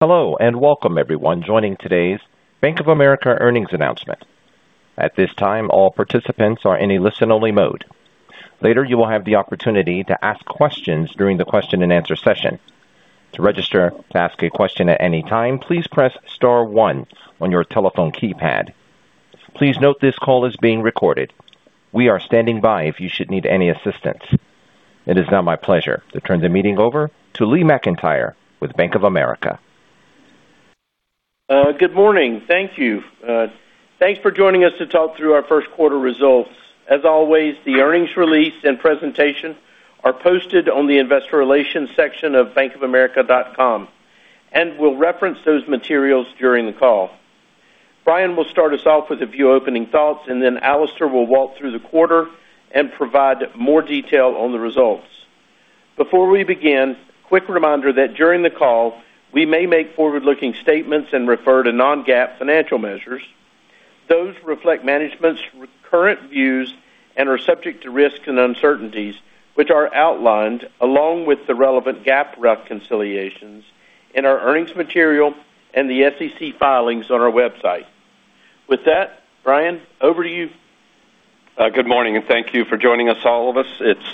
Hello, and welcome everyone joining today's Bank of America earnings announcement. At this time, all participants are in a listen-only mode. Later, you will have the opportunity to ask questions during the question-and-answer session. To register to ask a question at any time, please press star one on your telephone keypad. Please note this call is being recorded. We are standing by if you should need any assistance. It is now my pleasure to turn the meeting over to Lee McEntire with Bank of America. Good morning. Thank you. Thanks for joining us to talk through our first quarter results. As always, the earnings release and presentation are posted on the investor relations section of bankofamerica.com. We'll reference those materials during the call. Brian will start us off with a few opening thoughts, and then Alastair will walk through the quarter and provide more detail on the results. Before we begin, a quick reminder that during the call, we may make forward-looking statements and refer to non-GAAP financial measures. Those reflect management's current views and are subject to risks and uncertainties, which are outlined along with the relevant GAAP reconciliations in our earnings material and the SEC filings on our website. With that, Brian, over to you. Good morning, and thank you for joining all of us. It's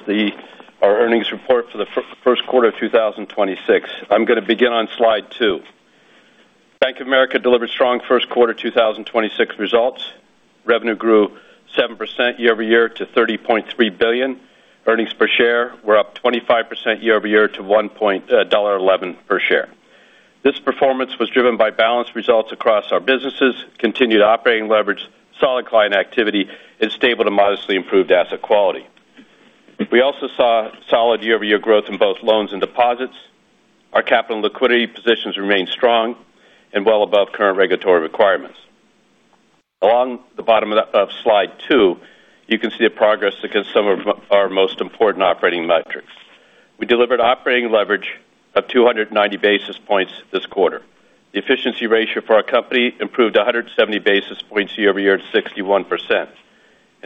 our earnings report for the first quarter of 2026. I'm going to begin on slide two. Bank of America delivered strong first quarter 2026 results. Revenue grew 7% year-over-year to $30.3 billion. Earnings per share were up 25% year-over-year to $1.11 per share. This performance was driven by balanced results across our businesses, continued operating leverage, solid client activity, and stable to modestly improved asset quality. We also saw solid year-over-year growth in both loans and deposits. Our capital and liquidity positions remain strong and well above current regulatory requirements. Along the bottom of slide two, you can see the progress against some of our most important operating metrics. We delivered operating leverage of 290 basis points this quarter. The efficiency ratio for our company improved 170 basis points year-over-year to 61%.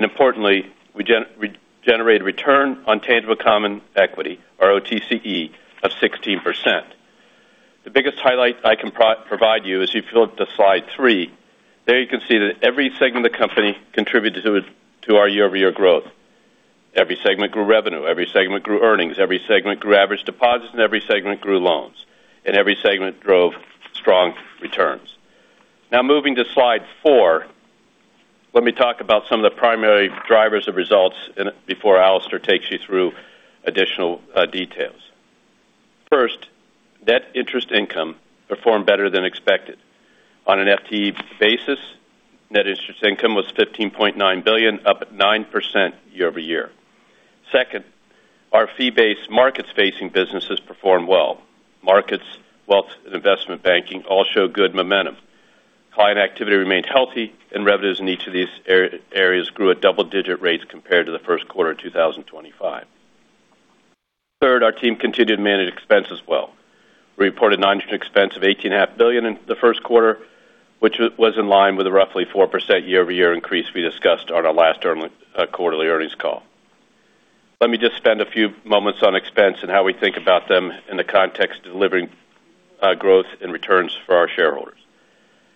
Importantly, we generated return on tangible common equity or ROTCE of 16%. The biggest highlight I can provide you is if you flip to slide three. There you can see that every segment of the company contributed to our year-over-year growth. Every segment grew revenue. Every segment grew earnings. Every segment grew average deposits, and every segment grew loans. Every segment drove strong returns. Now moving to slide four, let me talk about some of the primary drivers of results before Alastair takes you through additional details. First, net interest income performed better than expected. On an FTE basis, net interest income was $15.9 billion, up 9% year-over-year. Second, our fee-based markets-facing businesses performed well. Markets, Wealth, and Investment Banking all show good momentum. Client activity remained healthy, and revenues in each of these areas grew at double-digit rates compared to the first quarter of 2025. Third, our team continued to manage expenses well. Reported non-interest expense of $18.5 billion in the first quarter, which was in line with a roughly 4% year-over-year increase we discussed on our last quarterly earnings call. Let me just spend a few moments on expense and how we think about them in the context of delivering growth and returns for our shareholders.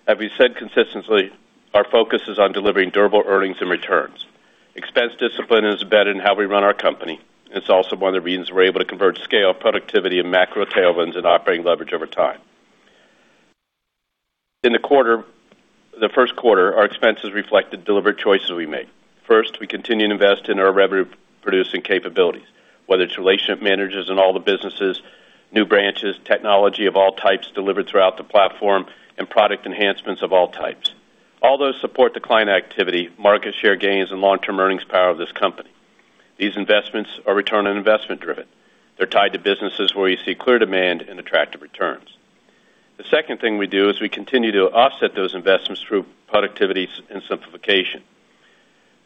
As we said consistently, our focus is on delivering durable earnings and returns. Expense discipline is embedded in how we run our company. It's also one of the reasons we're able to convert scale, productivity, and macro tailwinds and operating leverage over time. In the first quarter, our expenses reflected deliberate choices we made. First, we continued to invest in our revenue-producing capabilities, whether it's relationship managers in all the businesses, new branches, technology of all types delivered throughout the platform, and product enhancements of all types. All those support the client activity, market share gains, and long-term earnings power of this company. These investments are return on investment driven. They're tied to businesses where you see clear demand and attractive returns. The second thing we do is we continue to offset those investments through productivity and simplification.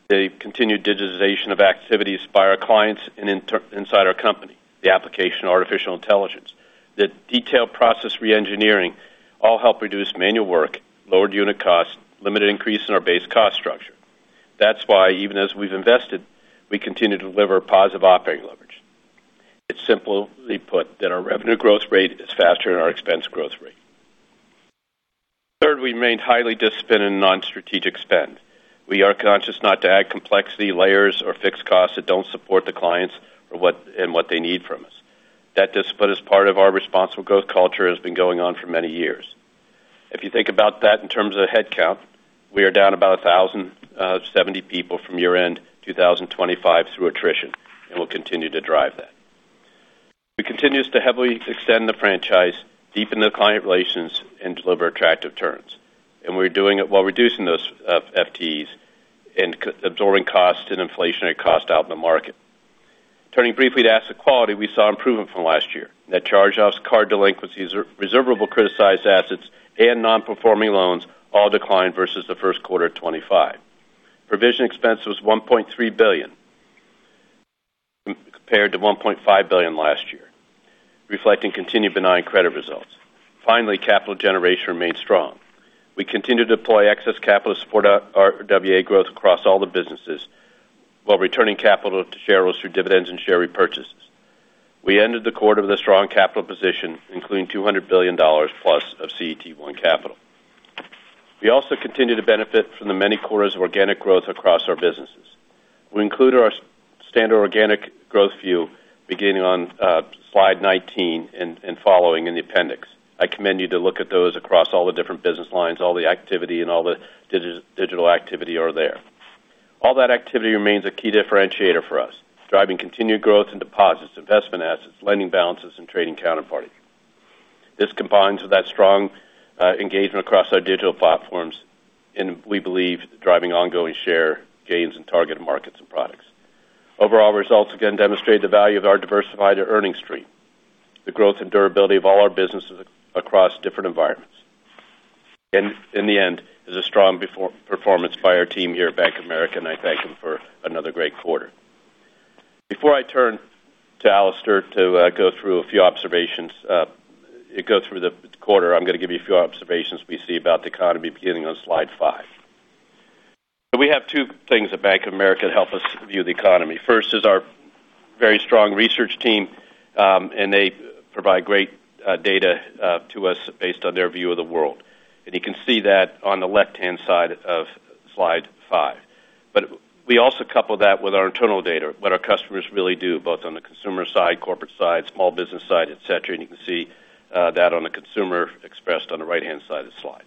The continued digitization of activities by our clients and inside our company, the application of artificial intelligence, the detailed process re-engineering all help reduce manual work, lowered unit cost, limited increase in our base cost structure. That's why even as we've invested, we continue to deliver positive operating leverage. It's simply put that our revenue growth rate is faster than our expense growth rate. Third, we remained highly disciplined in non-strategic spend. We are conscious not to add complexity, layers, or fixed costs that don't support the clients and what they need from us. That discipline is part of our responsible growth culture, has been going on for many years. If you think about that in terms of headcount, we are down about 1,070 people from year-end 2025 through attrition, and we'll continue to drive that. We continue to heavily extend the franchise, deepen the client relations, and deliver attractive returns. We're doing it while reducing those FTEs and absorbing costs and inflationary cost out in the market. Turning briefly to asset quality, we saw improvement from last year. Net charge-offs, card delinquencies, reservable criticized assets, and non-performing loans all declined versus the first quarter of 2025. Provision expense was $1.3 billion compared to $1.5 billion last year, reflecting continued benign credit results. Finally, capital generation remained strong. We continue to deploy excess capital to support our RWA growth across all the businesses while returning capital to shareholders through dividends and share repurchases. We ended the quarter with a strong capital position, including $200 billion+ of CET1 capital. We also continue to benefit from the many quarters of organic growth across our businesses. We include our standard organic growth view beginning on slide 19 and following in the appendix. I commend you to look at those across all the different business lines. All the activity and all the digital activity are there. All that activity remains a key differentiator for us, driving continued growth in deposits, investment assets, lending balances, and trading counterparties. This combines with that strong engagement across our digital platforms. We believe driving ongoing share gains in targeted markets and products. Overall results again demonstrate the value of our diversified earnings stream, the growth and durability of all our businesses across different environments. In the end, it's a strong performance by our team here at Bank of America, and I thank them for another great quarter. Before I turn to Alastair to go through a few observations, go through the quarter, I'm going to give you a few observations we see about the economy beginning on slide five. We have two things at Bank of America that help us view the economy. First is our very strong research team, and they provide great data to us based on their view of the world. You can see that on the left-hand side of slide five. We also couple that with our internal data, what our customers really do, both on the consumer side, corporate side, small business side, et cetera, and you can see that on the consumer expressed on the right-hand side of the slide.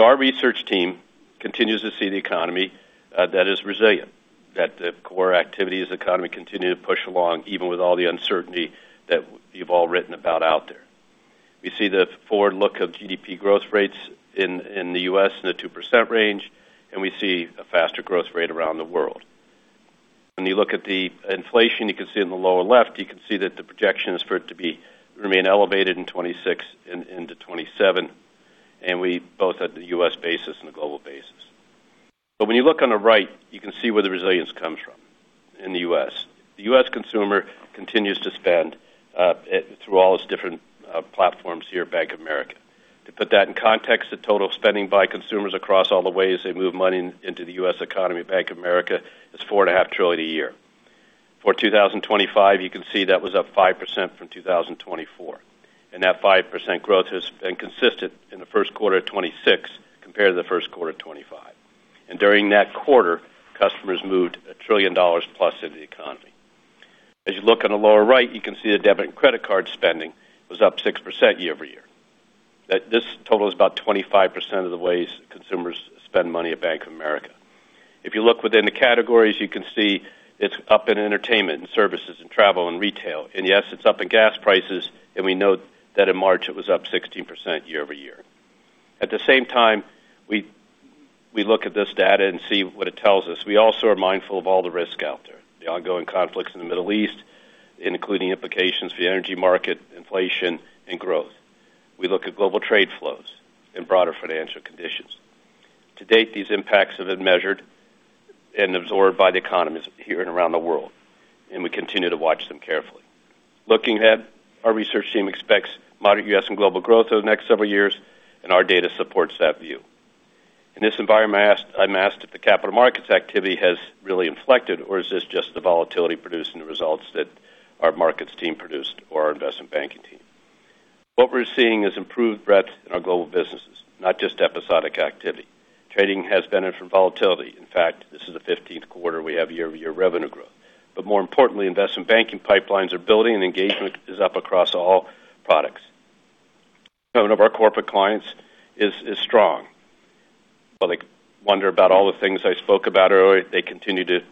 Our research team continues to see the economy that is resilient, that the core activity of the economy continue to push along, even with all the uncertainty that you've all written about out there. We see the forward look of GDP growth rates in the U.S. in the 2% range, and we see a faster growth rate around the world. When you look at the inflation, you can see in the lower left that the projection is for it to remain elevated in 2026 and into 2027, and both at the U.S. basis and the global basis. When you look on the right, you can see where the resilience comes from in the U.S. The U.S. consumer continues to spend through all its different platforms here at Bank of America. To put that in context of total spending by consumers across all the ways they move money into the U.S. economy at Bank of America, it's $4.5 trillion a year. For 2025, you can see that was up 5% from 2024, and that 5% growth has been consistent in the first quarter of 2026 compared to the first quarter of 2025. During that quarter, customers moved $1 trillion+ into the economy. As you look on the lower right, you can see the debit and credit card spending was up 6% year-over-year. This total is about 25% of the ways consumers spend money at Bank of America. If you look within the categories, you can see it's up in entertainment and services, in travel and retail. Yes, it's up in gas prices, and we note that in March, it was up 16% year-over-year. At the same time, we look at this data and see what it tells us. We also are mindful of all the risk out there, the ongoing conflicts in the Middle East, including implications for the energy market, inflation, and growth. We look at global trade flows and broader financial conditions. To date, these impacts have been measured and absorbed by the economies here and around the world, and we continue to watch them carefully. Looking ahead, our research team expects moderate U.S. and global growth over the next several years, and our data supports that view. In this environment, I'm asked if the capital markets activity has really inflected or is this just the volatility produced in the results that our markets team produced or our investment banking team? What we're seeing is improved breadth in our global businesses, not just episodic activity. Trading has benefited from volatility. In fact, this is the 15th quarter we have year-over-year revenue growth. More importantly, investment banking pipelines are building and engagement is up across all products. Our corporate clients are strong. While they wonder about all the things I spoke about earlier, they continue to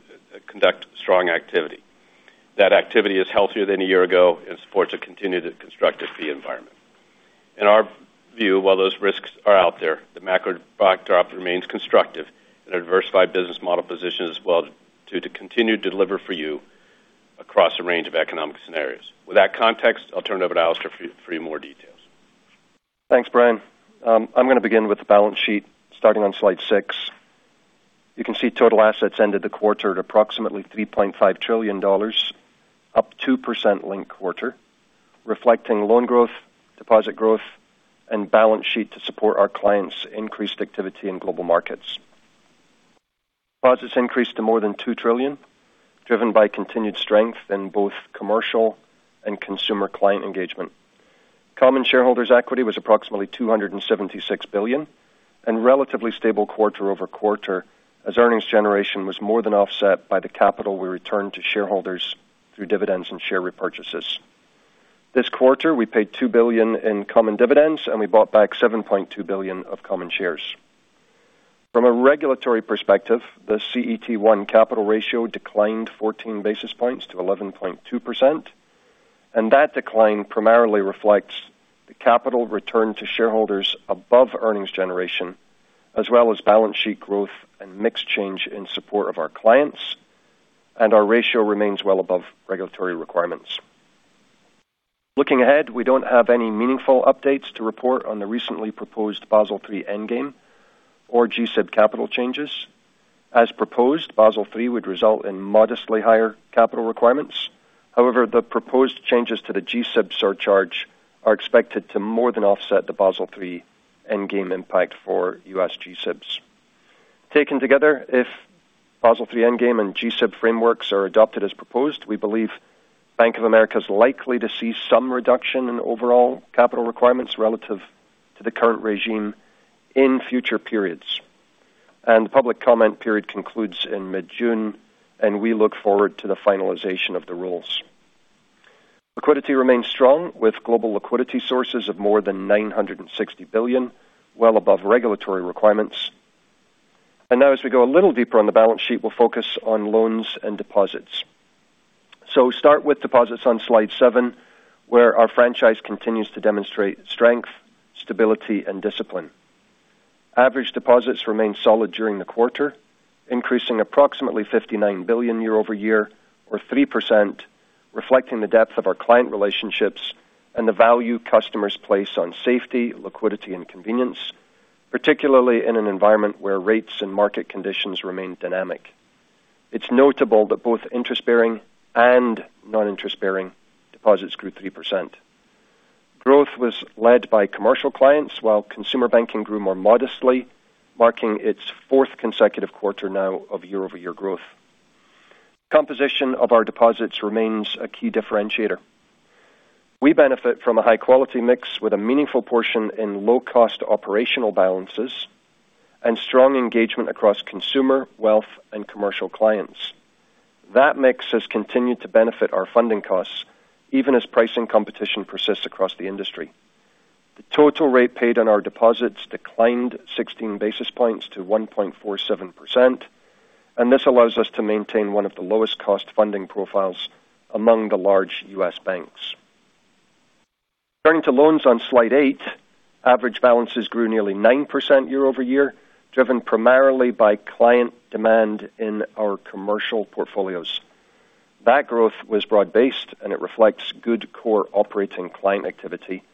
conduct strong activity. That activity is healthier than a year ago and supports a continued constructive fee environment. In our view, while those risks are out there, the macro backdrop remains constructive, and a diversified business model positions us well to continue to deliver for you across a range of economic scenarios. With that context, I'll turn it over to Alastair for a few more details. Thanks, Brian. I'm going to begin with the balance sheet starting on slide six. You can see total assets ended the quarter at approximately $3.5 trillion, up 2% linked-quarter, reflecting loan growth, deposit growth, and balance sheet to support our clients' increased activity in Global Markets. Deposits increased to more than $2 trillion, driven by continued strength in both commercial and consumer client engagement. Common shareholders' equity was approximately $276 billion and relatively stable quarter-over-quarter, as earnings generation was more than offset by the capital we returned to shareholders through dividends and share repurchases. This quarter, we paid $2 billion in common dividends, and we bought back $7.2 billion of common shares. From a regulatory perspective, the CET1 capital ratio declined 14 basis points to 11.2%. That decline primarily reflects the capital return to shareholders above earnings generation, as well as balance sheet growth and mix change in support of our clients. Our ratio remains well above regulatory requirements. Looking ahead, we don't have any meaningful updates to report on the recently proposed Basel III endgame or G-SIB capital changes. As proposed, Basel III would result in modestly higher capital requirements. However, the proposed changes to the G-SIB surcharge are expected to more than offset the Basel III endgame impact for U.S. G-SIBs. Taken together, if Basel III endgame and G-SIB frameworks are adopted as proposed, we believe Bank of America is likely to see some reduction in overall capital requirements relative to the current regime in future periods. The public comment period concludes in mid-June, and we look forward to the finalization of the rules. Liquidity remains strong, with global liquidity sources of more than $960 billion, well above regulatory requirements. Now as we go a little deeper on the balance sheet, we'll focus on loans and deposits. We start with deposits on slide seven, where our franchise continues to demonstrate strength, stability, and discipline. Average deposits remained solid during the quarter, increasing approximately $59 billion year-over-year or 3%, reflecting the depth of our client relationships and the value customers place on safety, liquidity, and convenience, particularly in an environment where rates and market conditions remain dynamic. It's notable that both interest-bearing and non-interest-bearing deposits grew 3%. Growth was led by commercial clients, while Consumer Banking grew more modestly, marking its fourth consecutive quarter now of year-over-year growth. Composition of our deposits remains a key differentiator. We benefit from a high-quality mix with a meaningful portion in low-cost operational balances and strong engagement across consumer, wealth, and commercial clients. That mix has continued to benefit our funding costs, even as pricing competition persists across the industry. The total rate paid on our deposits declined 16 basis points to 1.47%, and this allows us to maintain one of the lowest cost funding profiles among the large U.S. banks. Turning to loans on slide eight, average balances grew nearly 9% year-over-year, driven primarily by client demand in our commercial portfolios. That growth was broad-based, and it reflects good core operating client activity.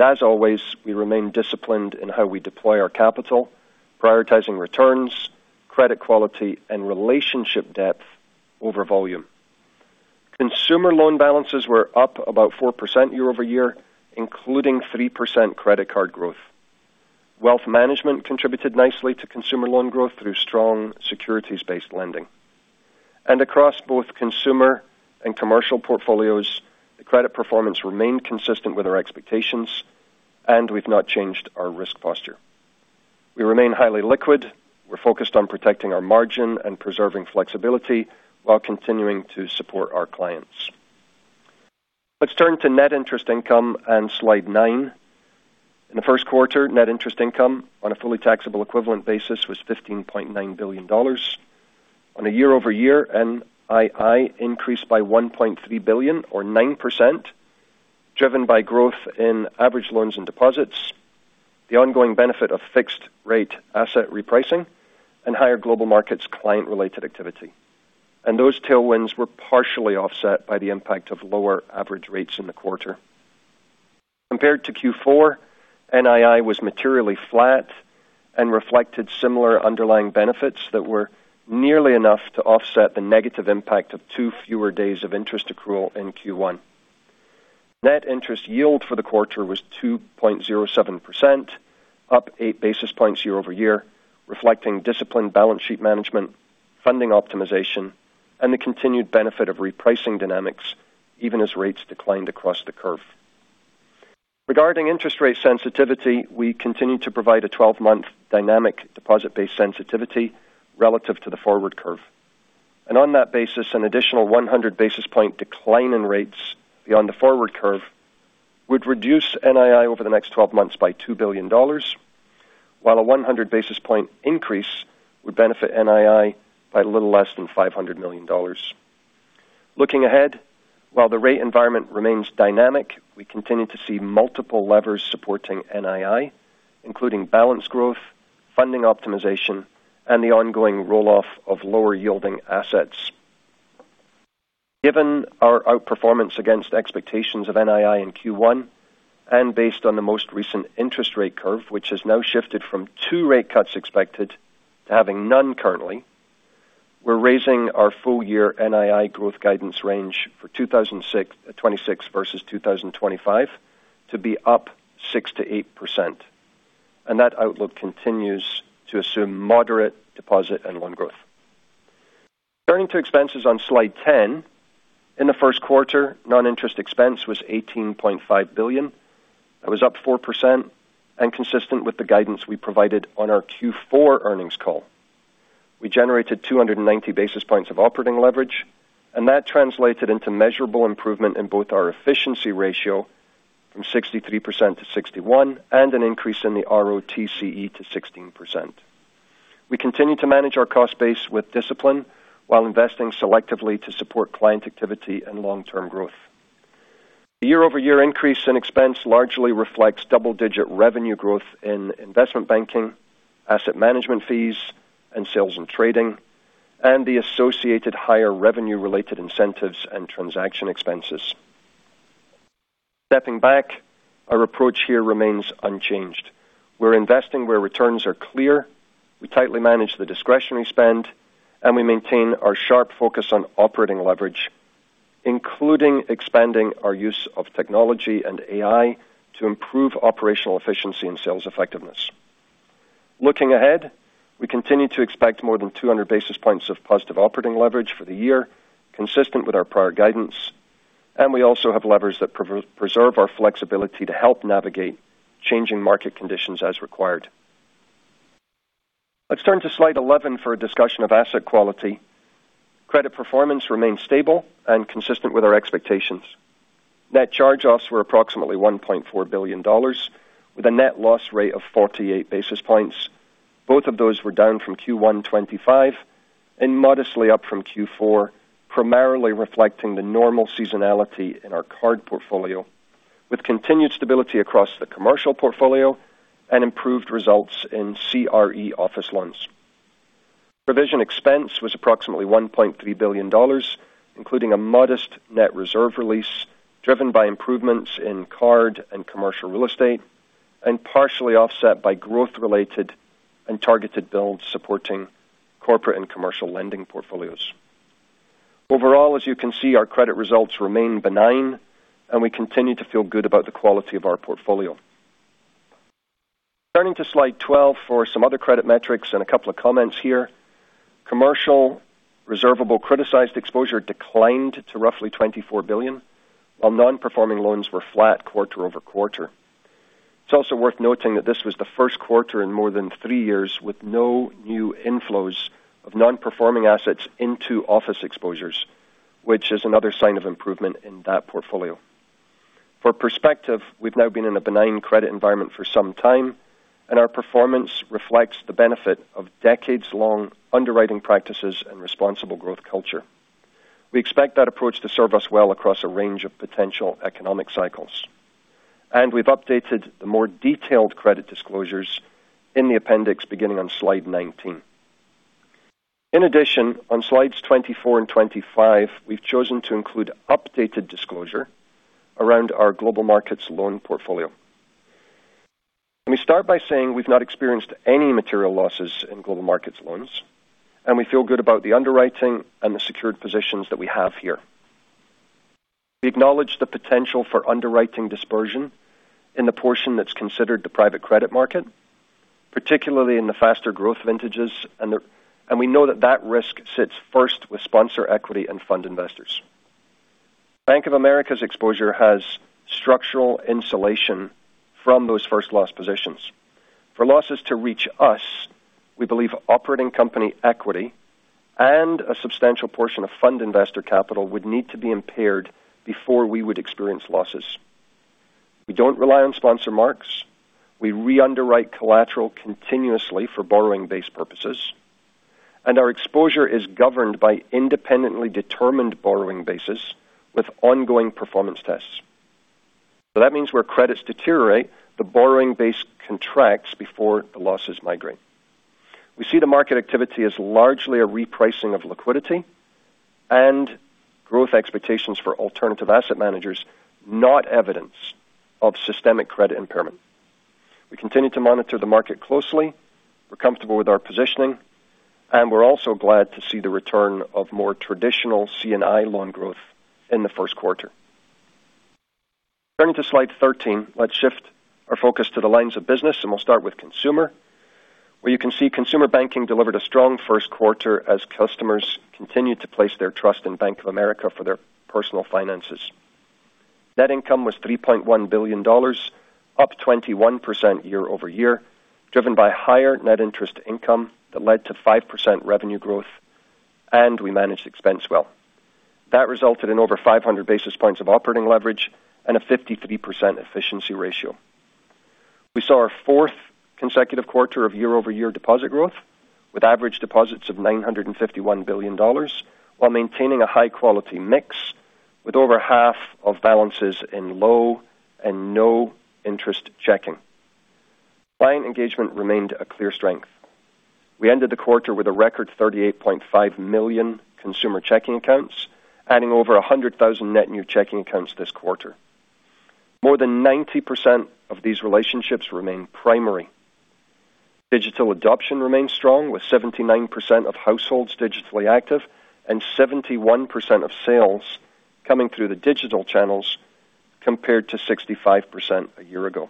As always, we remain disciplined in how we deploy our capital, prioritizing returns, credit quality, and relationship depth over volume. Consumer loan balances were up about 4% year-over-year, including 3% credit card growth. Wealth Management contributed nicely to Consumer loan growth through strong securities-based lending. Across both Consumer and Commercial portfolios, the credit performance remained consistent with our expectations, and we've not changed our risk posture. We remain highly liquid. We're focused on protecting our margin and preserving flexibility while continuing to support our clients. Let's turn to Net Interest Income on slide nine. In the first quarter, Net Interest Income on a fully taxable equivalent basis was $15.9 billion. On a year-over-year, NII increased by $1.3 billion or 9%, driven by growth in average loans and deposits, the ongoing benefit of fixed-rate asset repricing, and higher Global Markets client-related activity. Those tailwinds were partially offset by the impact of lower average rates in the quarter. Compared to Q4, NII was materially flat and reflected similar underlying benefits that were nearly enough to offset the negative impact of two fewer days of interest accrual in Q1. Net interest yield for the quarter was 2.07%, up eight basis points year-over-year, reflecting disciplined balance sheet management, funding optimization, and the continued benefit of repricing dynamics, even as rates declined across the curve. Regarding interest rate sensitivity, we continue to provide a 12-month dynamic deposit-based sensitivity relative to the forward curve. On that basis, an additional 100-basis-point decline in rates beyond the forward curve would reduce NII over the next 12 months by $2 billion, while a 100-basis-point increase would benefit NII by a little less than $500 million. Looking ahead, while the rate environment remains dynamic, we continue to see multiple levers supporting NII, including balance growth, funding optimization, and the ongoing roll-off of lower-yielding assets. Given our outperformance against expectations of NII in Q1 and based on the most recent interest rate curve, which has now shifted from two rate cuts expected to having none currently, we're raising our full-year NII growth guidance range for 2026 versus 2025 to be up 6%-8%, and that outlook continues to assume moderate deposit and loan growth. Turning to expenses on slide 10. In the first quarter, non-interest expense was $18.5 billion. That was up 4% and consistent with the guidance we provided on our Q4 earnings call. We generated 290 basis points of operating leverage, and that translated into measurable improvement in both our efficiency ratio from 63%-61% and an increase in the ROTCE to 16%. We continue to manage our cost base with discipline while investing selectively to support client activity and long-term growth. The year-over-year increase in expense largely reflects double-digit revenue growth in investment banking, asset management fees, and sales and trading, and the associated higher revenue-related incentives and transaction expenses. Stepping back, our approach here remains unchanged. We're investing where returns are clear. We tightly manage the discretionary spend, and we maintain our sharp focus on operating leverage, including expanding our use of technology and AI to improve operational efficiency and sales effectiveness. Looking ahead, we continue to expect more than 200 basis points of positive operating leverage for the year, consistent with our prior guidance, and we also have levers that preserve our flexibility to help navigate changing market conditions as required. Let's turn to slide 11 for a discussion of asset quality. Credit performance remains stable and consistent with our expectations. Net charge-offs were approximately $1.4 billion, with a net loss rate of 48 basis points. Both of those were down from Q1 2025 and modestly up from Q4, primarily reflecting the normal seasonality in our card portfolio, with continued stability across the commercial portfolio and improved results in CRE office loans. Provision expense was approximately $1.3 billion, including a modest net reserve release driven by improvements in card and commercial real estate, and partially offset by growth-related and targeted builds supporting corporate and commercial lending portfolios. Overall, as you can see, our credit results remain benign, and we continue to feel good about the quality of our portfolio. Turning to slide 12 for some other credit metrics and a couple of comments here. Commercial reservable criticized exposure declined to roughly $24 billion, while non-performing loans were flat quarter-over-quarter. It's also worth noting that this was the first quarter in more than three years with no new inflows of non-performing assets into office exposures, which is another sign of improvement in that portfolio. For perspective, we've now been in a benign credit environment for some time, and our performance reflects the benefit of decades-long underwriting practices and responsible growth culture. We expect that approach to serve us well across a range of potential economic cycles. We've updated the more detailed credit disclosures in the appendix beginning on slide 19. In addition, on slides 24 and 25, we've chosen to include updated disclosure around our Global Markets loan portfolio. Let me start by saying we've not experienced any material losses in Global Markets loans, and we feel good about the underwriting and the secured positions that we have here. We acknowledge the potential for underwriting dispersion in the portion that's considered the private credit market, particularly in the faster growth vintages, and we know that that risk sits first with sponsor equity and fund investors. Bank of America's exposure has structural insulation from those first loss positions. For losses to reach us, we believe operating company equity and a substantial portion of fund investor capital would need to be impaired before we would experience losses. We don't rely on sponsor marks. We re-underwrite collateral continuously for borrowing base purposes, and our exposure is governed by independently determined borrowing bases with ongoing performance tests. That means where credits deteriorate, the borrowing base contracts before the losses migrate. We see the market activity as largely a repricing of liquidity and growth expectations for alternative asset managers, not evidence of systemic credit impairment. We continue to monitor the market closely. We're comfortable with our positioning, and we're also glad to see the return of more traditional C&I loan growth in the first quarter. Turning to Slide 13, let's shift our focus to the lines of business, and we'll start with consumer, where you can see Consumer Banking delivered a strong first quarter as customers continued to place their trust in Bank of America for their personal finances. Net income was $3.1 billion, up 21% year-over-year, driven by higher net interest income that led to 5% revenue growth, and we managed expense well. That resulted in over 500 basis points of operating leverage and a 53% efficiency ratio. We saw our fourth consecutive quarter of year-over-year deposit growth with average deposits of $951 billion, while maintaining a high-quality mix with over half of balances in low and no interest checking. Client engagement remained a clear strength. We ended the quarter with a record 38.5 million Consumer checking accounts, adding over 100,000 net new checking accounts this quarter. More than 90% of these relationships remain primary. Digital adoption remains strong, with 79% of households digitally active and 71% of sales coming through the digital channels, compared to 65% a year ago.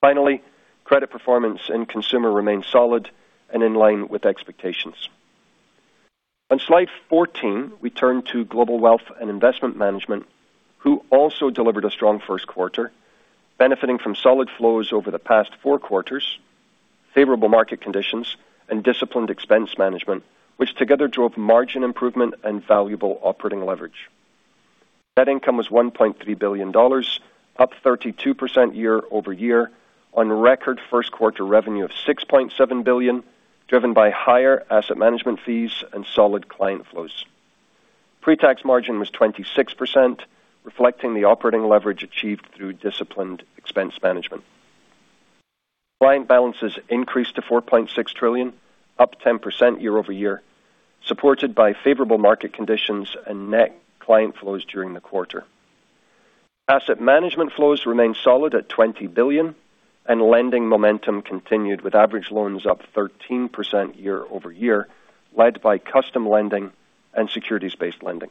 Finally, credit performance in Consumer remains solid and in line with expectations. On slide 14, we turn to Global Wealth and Investment Management, who also delivered a strong first quarter, benefiting from solid flows over the past four quarters, favorable market conditions, and disciplined expense management, which together drove margin improvement and valuable operating leverage. Net income was $1.3 billion, up 32% year-over-year on record first quarter revenue of $6.7 billion, driven by higher asset management fees and solid client flows. Pre-tax margin was 26%, reflecting the operating leverage achieved through disciplined expense management. Client balances increased to $4.6 trillion, up 10% year-over-year, supported by favorable market conditions and net client flows during the quarter. Asset management flows remained solid at $20 billion, and lending momentum continued with average loans up 13% year-over-year, led by custom lending and securities-based lending.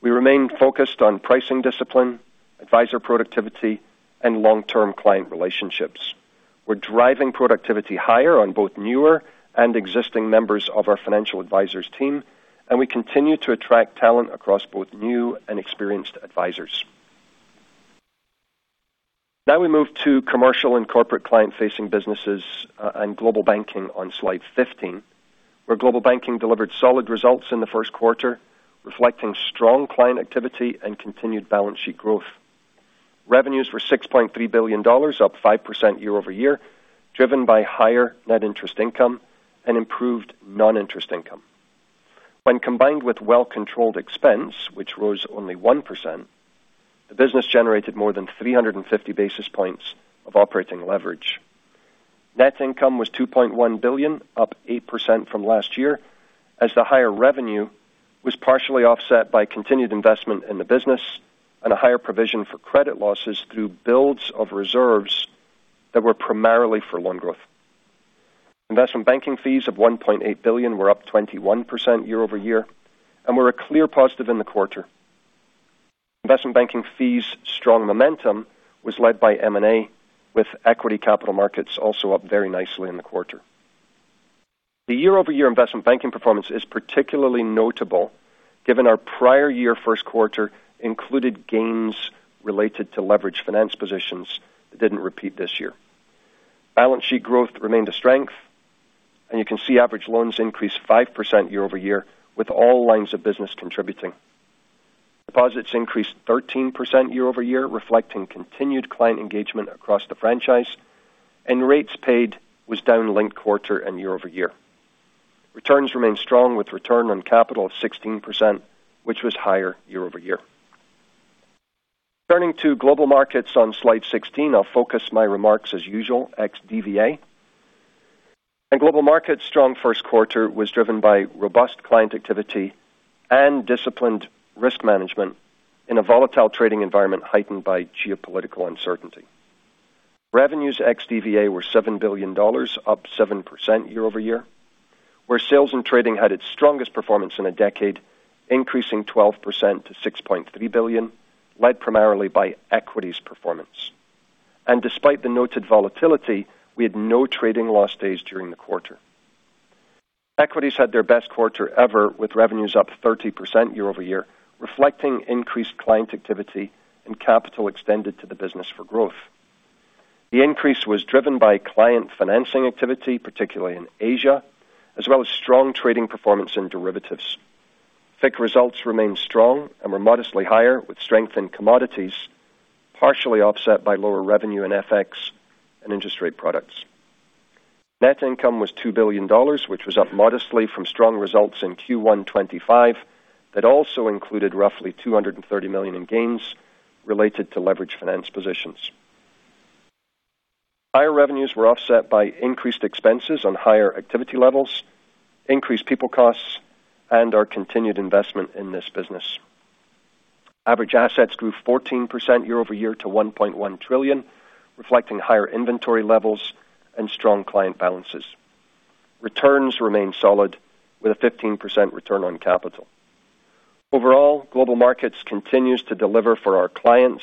We remained focused on pricing discipline, advisor productivity, and long-term client relationships. We're driving productivity higher on both newer and existing members of our financial advisors team, and we continue to attract talent across both new and experienced advisors. Now we move to commercial and corporate client-facing businesses and Global Banking on slide 15, where Global Banking delivered solid results in the first quarter, reflecting strong client activity and continued balance sheet growth. Revenues were $6.3 billion, up 5% year-over-year, driven by higher net interest income and improved non-interest income. When combined with well-controlled expense, which rose only 1%, the business generated more than 350 basis points of operating leverage. Net income was $2.1 billion, up 8% from last year, as the higher revenue was partially offset by continued investment in the business and a higher provision for credit losses through builds of reserves that were primarily for loan growth. Investment banking fees of $1.8 billion were up 21% year-over-year and were a clear positive in the quarter. Investment banking fees' strong momentum was led by M&A, with equity capital markets also up very nicely in the quarter. The year-over-year investment banking performance is particularly notable given our prior year first quarter included gains related to leveraged finance positions that didn't repeat this year. Balance sheet growth remained a strength, and you can see average loans increased 5% year-over-year with all lines of business contributing. Deposits increased 13% year-over-year, reflecting continued client engagement across the franchise, and rates paid was down linked quarter and year-over-year. Returns remained strong with return on capital of 16%, which was higher year-over-year. Turning to Global Markets on slide 16, I'll focus my remarks as usual ex DVA. Global Markets' strong first quarter was driven by robust client activity and disciplined risk management in a volatile trading environment heightened by geopolitical uncertainty. Revenues ex DVA were $7 billion, up 7% year-over-year, where Sales and Trading had its strongest performance in a decade, increasing 12% to $6.3 billion, led primarily by Equities performance. Despite the noted volatility, we had no trading loss days during the quarter. Equities had their best quarter ever, with revenues up 30% year-over-year, reflecting increased client activity and capital extended to the business for growth. The increase was driven by client financing activity, particularly in Asia, as well as strong trading performance in derivatives. FICC results remained strong and were modestly higher, with strength in commodities partially offset by lower revenue in FX and interest rate products. Net income was $2 billion, which was up modestly from strong results in Q1 2025 that also included roughly $230 million in gains related to leveraged finance positions. Higher revenues were offset by increased expenses on higher activity levels, increased people costs, and our continued investment in this business. Average assets grew 14% year-over-year to $1.1 trillion, reflecting higher inventory levels and strong client balances. Returns remained solid with a 15% return on capital. Overall, Global Markets continues to deliver for our clients,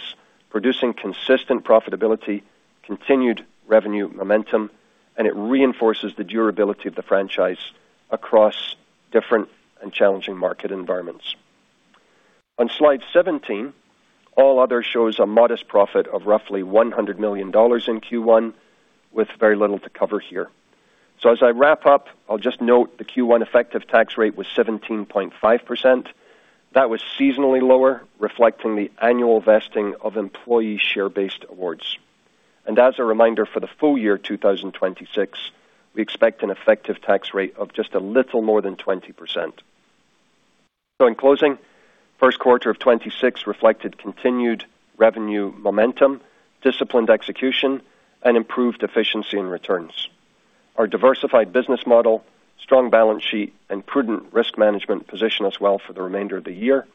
producing consistent profitability, continued revenue momentum, and it reinforces the durability of the franchise across different and challenging market environments. On slide 17, All Other shows a modest profit of roughly $100 million in Q1 with very little to cover here. As I wrap up, I'll just note the Q1 effective tax rate was 17.5%. That was seasonally lower, reflecting the annual vesting of employee share-based awards. As a reminder, for the full year 2026, we expect an effective tax rate of just a little more than 20%. In closing, first quarter of 2026 reflected continued revenue momentum, disciplined execution, and improved efficiency in returns. Our diversified business model, strong balance sheet, and prudent risk management position us well for the remainder of the year.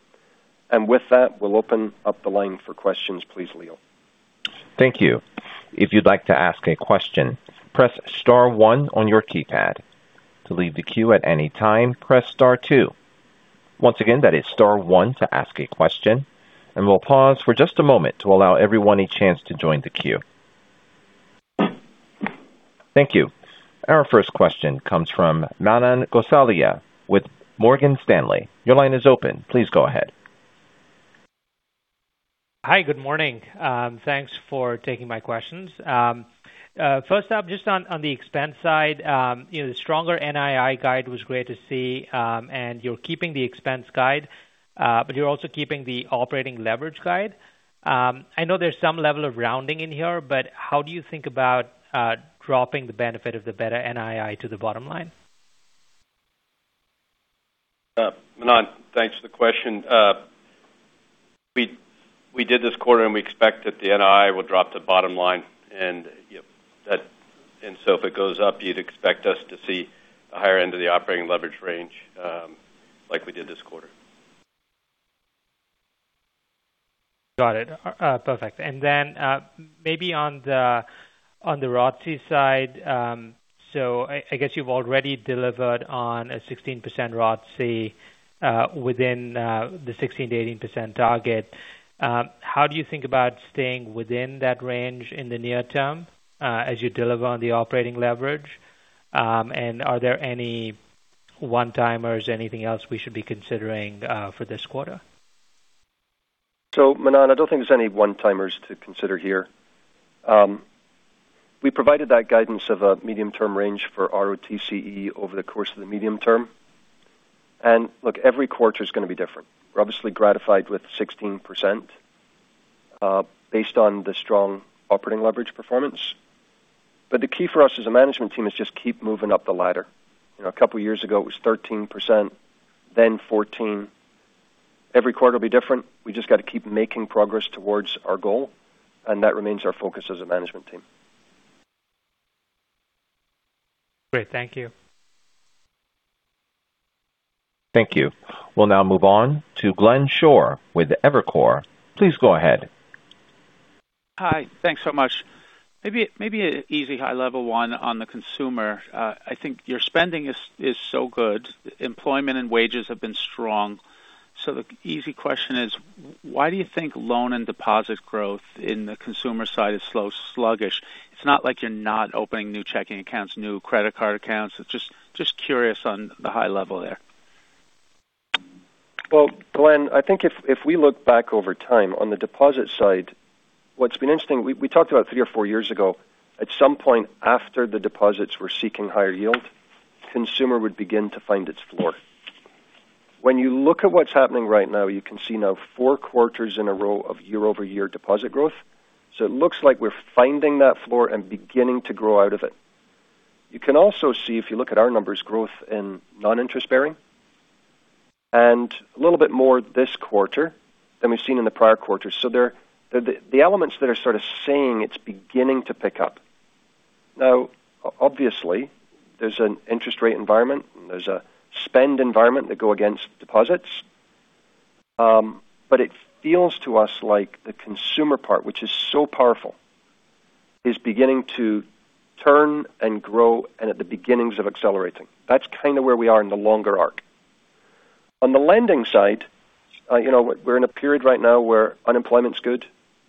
With that, we'll open up the line for questions. Please, Leo. Thank you. If you'd like to ask a question, press star one on your keypad. To leave the queue at any time, press star two. Once again, that is star one to ask a question, and we'll pause for just a moment to allow everyone a chance to join the queue. Thank you. Our first question comes from Manan Gosalia with Morgan Stanley. Your line is open. Please go ahead. Hi. Good morning. Thanks for taking my questions. First up, just on the expense side, the stronger NII guide was great to see, and you're keeping the expense guide, but you're also keeping the operating leverage guide. I know there's some level of rounding in here, but how do you think about dropping the benefit of the better NII to the bottom line? Manan, thanks for the question. We did this quarter, and we expect that the NII will drop to bottom line. If it goes up, you'd expect us to see a higher end of the operating leverage range like we did this quarter. Got it. Perfect. Maybe on the ROTCE side, I guess you've already delivered on a 16% ROTCE within the 16%-18% target. How do you think about staying within that range in the near term as you deliver on the operating leverage? Are there any one-timers, anything else we should be considering for this quarter? Manan, I don't think there's any one-timers to consider here. We provided that guidance of a medium-term range for ROTCE over the course of the medium term. Look, every quarter is going to be different. We're obviously gratified with 16% based on the strong operating leverage performance. The key for us as a management team is just keep moving up the ladder. A couple of years ago, it was 13%, then 14%. Every quarter will be different. We just got to keep making progress towards our goal, and that remains our focus as a management team. Great. Thank you. Thank you. We'll now move on to Glenn Schorr with Evercore. Please go ahead. Hi. Thanks so much. Maybe an easy high-level one on the consumer. I think your spending is so good. Employment and wages have been strong. The easy question is, why do you think loan and deposit growth in the consumer side is slow, sluggish? It's not like you're not opening new checking accounts, new credit card accounts. Just curious on the high level there. Well, Glenn, I think if we look back over time on the deposit side, what's been interesting, we talked about three or four years ago, at some point after the deposits were seeking higher yield, consumer would begin to find its floor. When you look at what's happening right now, you can see now four quarters in a row of year-over-year deposit growth. It looks like we're finding that floor and beginning to grow out of it. You can also see, if you look at our numbers, growth in non-interest-bearing, and a little bit more this quarter than we've seen in the prior quarters, the elements that are sort of saying it's beginning to pick up. Now, obviously, there's an interest rate environment, and there's a spend environment that go against deposits. It feels to us like the consumer part, which is so powerful, is beginning to turn and grow and at the beginnings of accelerating. That's kind of where we are in the longer arc. On the lending side, we're in a period right now where unemployment is good,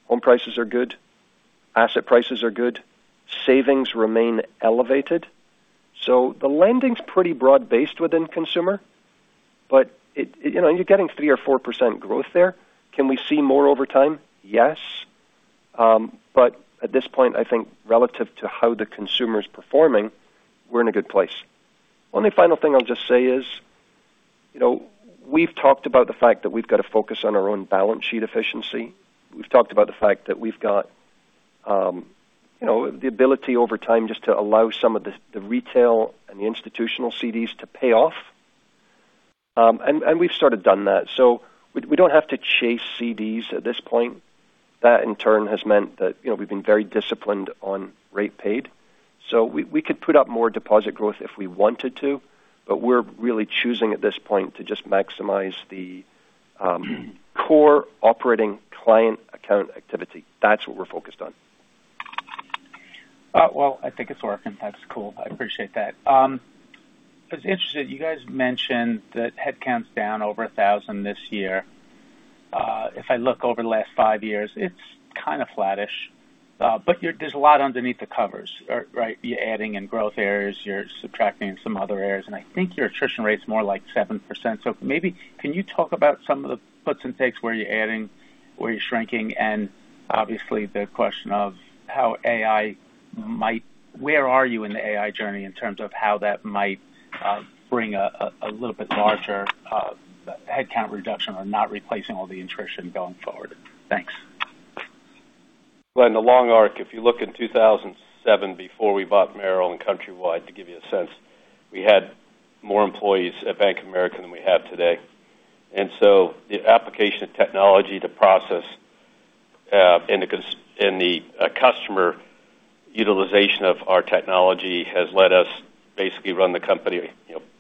home prices are good, asset prices are good, savings remain elevated. The lending is pretty broad-based within consumer, but you're getting 3% or 4% growth there. Can we see more over time? Yes. At this point, I think relative to how the consumer is performing, we're in a good place. Only final thing I'll just say is we've talked about the fact that we've got to focus on our own balance sheet efficiency. We've talked about the fact that we've got the ability over time just to allow some of the retail and the institutional CDs to pay off. We've sort of done that. We don't have to chase CDs at this point. That in turn has meant that we've been very disciplined on rate paid. We could put up more deposit growth if we wanted to, but we're really choosing at this point to just maximize the core operating client account activity. That's what we're focused on. Well, I think it's working. That's cool. I appreciate that. It's interesting, you guys mentioned that headcount's down over 1,000 this year. If I look over the last five years, it's kind of flattish. There's a lot underneath the covers. You're adding in growth areas, you're subtracting some other areas, and I think your attrition rate is more like 7%. Maybe can you talk about some of the puts and takes where you're adding, where you're shrinking, and obviously the question of where are you in the AI journey in terms of how that might bring a little bit larger headcount reduction or not replacing all the attrition going forward? Thanks. Glenn, the long arc, if you look in 2007, before we bought Merrill and Countrywide, to give you a sense, we had more employees at Bank of America than we have today. The application of technology to process and the customer utilization of our technology has let us basically run the company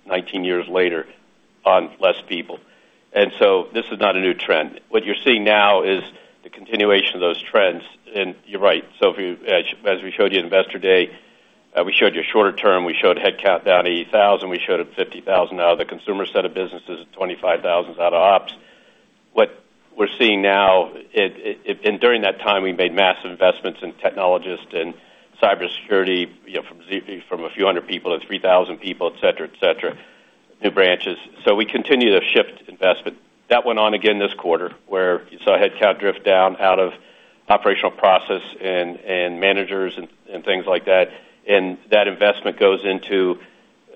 19 years later on less people. This is not a new trend. What you're seeing now is the continuation of those trends. You're right. As we showed you Investor Day, we showed you shorter term. We showed headcount down 80,000. We showed up 50,000 out of the Consumer set of businesses, 25,000 out of ops. During that time, we made massive investments in technologists, in cybersecurity, from a few hundred people to 3,000 people, et cetera. New branches. We continue to shift investment. That went on again this quarter, where you saw headcount drift down out of operational process and managers and things like that. That investment goes into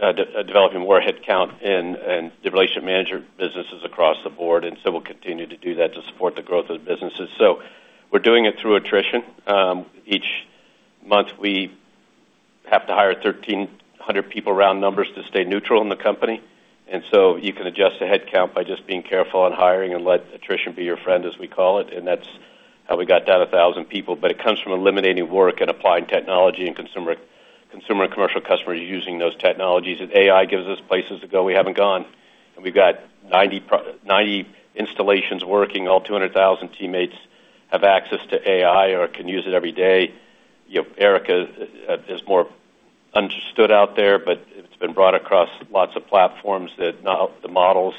developing more headcount in the relationship manager businesses across the board. We'll continue to do that to support the growth of the businesses. We're doing it through attrition. Hire 1,300 people, round numbers, to stay neutral in the company. You can adjust the headcount by just being careful on hiring and let attrition be your friend, as we call it. That's how we got down 1,000 people. It comes from eliminating work and applying technology, and Consumer and Commercial customers using those technologies. AI gives us places to go we haven't gone, and we've got 90 installations working. All 200,000 teammates have access to AI or can use it every day. Erica is more understood out there, but it's been brought across lots of platforms that now the models.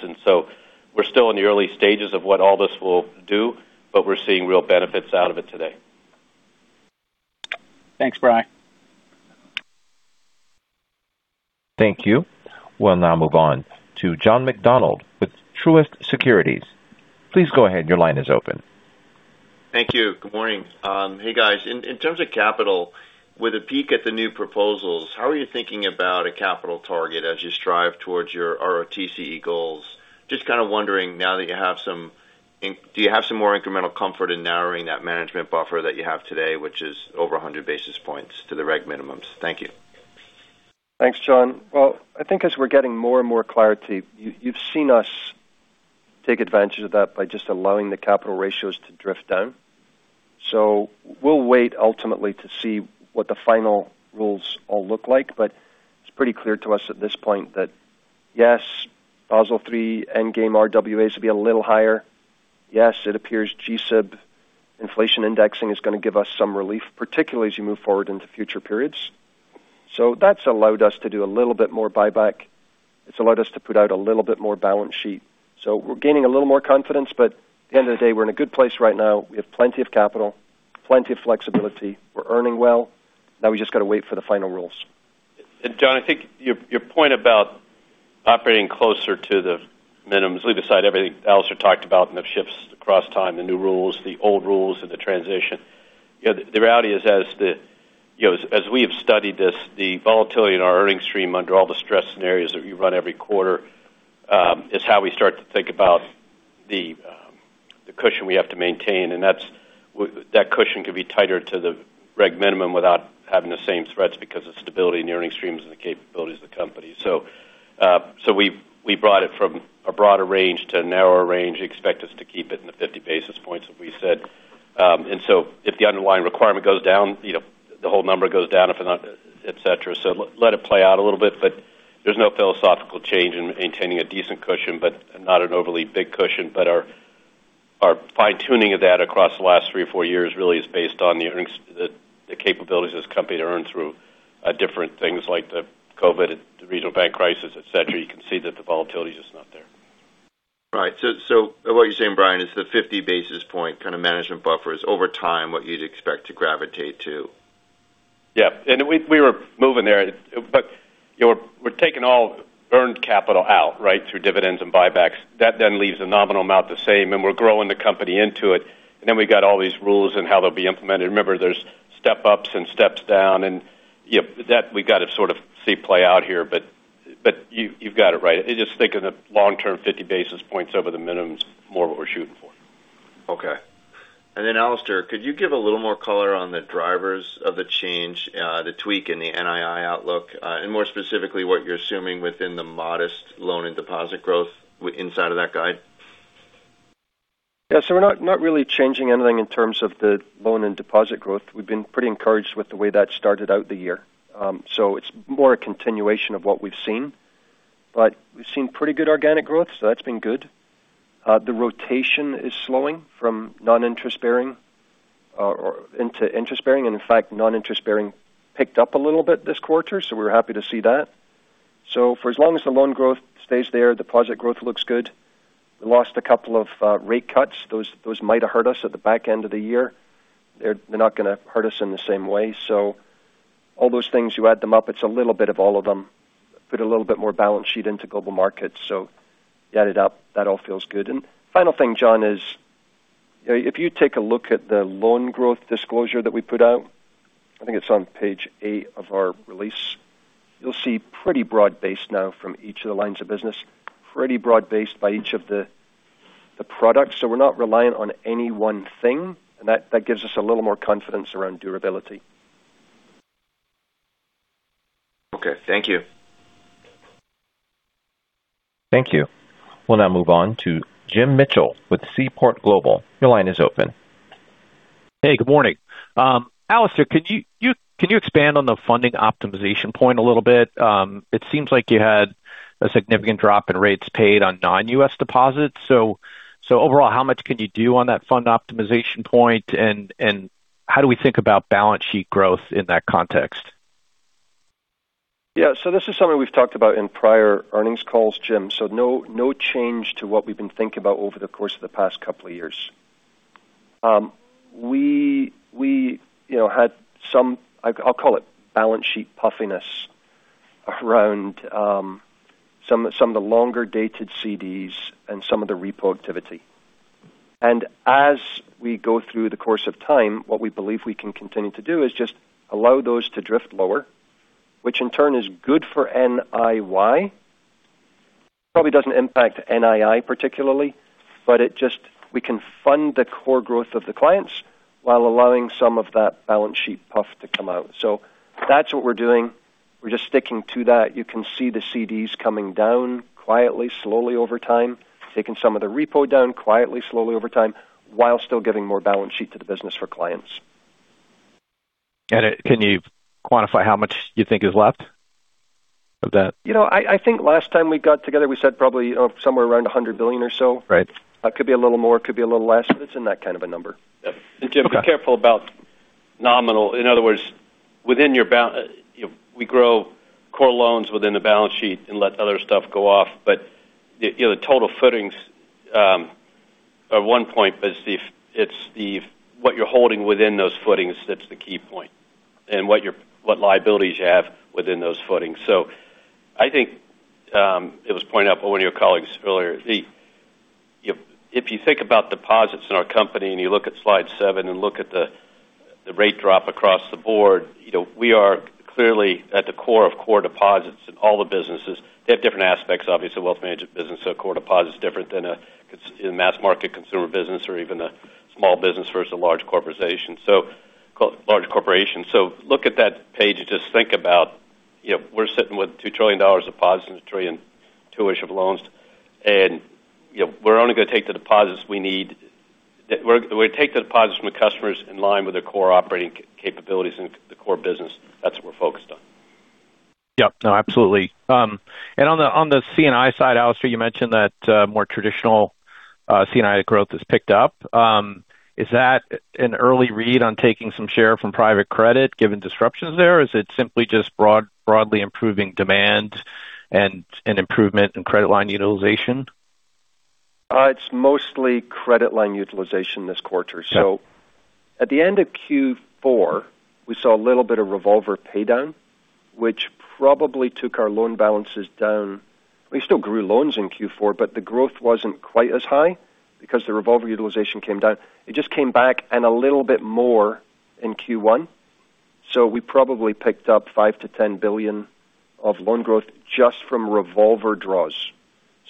We're still in the early stages of what all this will do, but we're seeing real benefits out of it today. Thanks, Brian. Thank you. We'll now move on to John McDonald with Truist Securities. Please go ahead. Your line is open. Thank you. Good morning. Hey, guys. In terms of capital, with a peek at the new proposals, how are you thinking about a capital target as you strive towards your ROTCE goals? Just kind of wondering, do you have some more incremental comfort in narrowing that management buffer that you have today, which is over 100 basis points to the reg minimums? Thank you. Thanks, John. Well, I think as we're getting more and more clarity, you've seen us take advantage of that by just allowing the capital ratios to drift down. We'll wait ultimately to see what the final rules all look like. It's pretty clear to us at this point that, yes, Basel III endgame RWAs will be a little higher. Yes, it appears G-SIB inflation indexing is going to give us some relief, particularly as you move forward into future periods. That's allowed us to do a little bit more buyback. It's allowed us to put out a little bit more balance sheet, so we're gaining a little more confidence. At the end of the day, we're in a good place right now. We have plenty of capital, plenty of flexibility. We're earning well. Now we just got to wait for the final rules. John, I think your point about operating closer to the minimums, leave aside everything Alastair talked about and the shifts across time, the new rules, the old rules, and the transition. The reality is, as we have studied this, the volatility in our earnings stream under all the stress scenarios that we run every quarter is how we start to think about the cushion we have to maintain. That cushion could be tighter to the reg minimum without having the same threats because of stability in the earnings streams and the capabilities of the company. We brought it from a broader range to a narrower range. You expect us to keep it in the 50 basis points, as we said. If the underlying requirement goes down, the whole number goes down, if not, et cetera. Let it play out a little bit. There's no philosophical change in maintaining a decent cushion, but not an overly big cushion. Our fine-tuning of that across the last three or four years really is based on the capabilities of this company to earn through different things like the COVID, the regional bank crisis, et cetera. You can see that the volatility is just not there. Right. What you're saying, Brian, is the 50 basis point kind of management buffer is over time, what you'd expect to gravitate to. Yeah. We were moving there, but we're taking all earned capital out through dividends and buybacks. That then leaves the nominal amount the same, and we're growing the company into it. We've got all these rules and how they'll be implemented. Remember, there's step-ups and steps down, and that we've got to sort of see play out here. You've got it right. Just think in the long term, 50 basis points over the minimum is more what we're shooting for. Okay. Alastair, could you give a little more color on the drivers of the change, the tweak in the NII outlook, and more specifically, what you're assuming within the modest loan and deposit growth inside of that guide? Yeah. We're not really changing anything in terms of the loan and deposit growth. We've been pretty encouraged with the way that started out the year. It's more a continuation of what we've seen, but we've seen pretty good organic growth, so that's been good. The rotation is slowing from non-interest-bearing into interest-bearing. In fact, non-interest-bearing picked up a little bit this quarter, so we're happy to see that. For as long as the loan growth stays there, deposit growth looks good. We lost a couple of rate cuts. Those might have hurt us at the back end of the year. They're not going to hurt us in the same way. All those things, you add them up, it's a little bit of all of them. Put a little bit more balance sheet into Global Markets. You add it up, that all feels good. Final thing, John, is if you take a look at the loan growth disclosure that we put out, I think it's on page eight of our release, you'll see pretty broad-based now from each of the lines of business, pretty broad-based by each of the products. We're not reliant on any one thing. That gives us a little more confidence around durability. Okay. Thank you. Thank you. We'll now move on to Jim Mitchell with Seaport Global. Your line is open. Hey, good morning. Alastair, can you expand on the funding optimization point a little bit? It seems like you had a significant drop in rates paid on non-U.S. deposits. Overall, how much can you do on that fund optimization point, and how do we think about balance sheet growth in that context? Yeah. This is something we've talked about in prior earnings calls, Jim. No change to what we've been thinking about over the course of the past couple of years. We had some, I'll call it balance sheet puffiness around some of the longer-dated CDs and some of the repo activity. As we go through the course of time, what we believe we can continue to do is just allow those to drift lower, which in turn is good for NIY. It probably doesn't impact NII particularly, but we can fund the core growth of the clients while allowing some of that balance sheet puff to come out. That's what we're doing. We're just sticking to that. You can see the CDs coming down quietly, slowly over time, taking some of the repo down quietly, slowly over time, while still giving more balance sheet to the business for clients. Can you quantify how much you think is left of that? I think last time we got together, we said probably somewhere around $100 billion or so. Right. It could be a little more, could be a little less, but it's in that kind of a number. Yeah. Jim, be careful about nominal. In other words, we grow core loans within the balance sheet and let other stuff go off. The total footings are one point, but it's what you're holding within those footings that's the key point, and what liabilities you have within those footings. I think it was pointed out by one of your colleagues earlier, if you think about deposits in our company, and you look at slide seven and look at the rate drop across the board, we are clearly at the core of core deposits in all the businesses. They have different aspects, obviously, wealth management business. Core deposit is different than a mass market consumer business or even a small business versus a large corporation. Look at that page and just think about, we're sitting with $2 trillion of deposits and $1.2 trillion-ish of loans, and we're only going to take the deposits we need. We take the deposits from the customers in line with their core operating capabilities and the core business. That's wht we're focused on. Yeah. No, absolutely. On the C&I side, Alastair, you mentioned that more traditional C&I growth has picked up. Is that an early read on taking some share from private credit given disruptions there? Is it simply just broadly improving demand and an improvement in credit line utilization? It's mostly credit line utilization this quarter. Yeah. At the end of Q4, we saw a little bit of revolver paydown, which probably took our loan balances down. We still grew loans in Q4, but the growth wasn't quite as high because the revolver utilization came down. It just came back and a little bit more in Q1. We probably picked up $5 billion-$10 billion of loan growth just from revolver draws.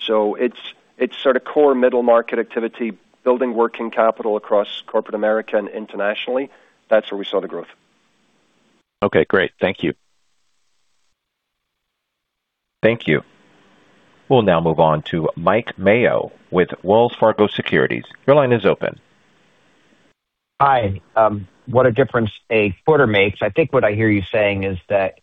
It's sort of core middle market activity, building working capital across Corporate America and internationally. That's where we saw the growth. Okay, great. Thank you. Thank you. We'll now move on to Mike Mayo with Wells Fargo Securities. Your line is open. Hi. What a difference a quarter makes. I think what I hear you saying is that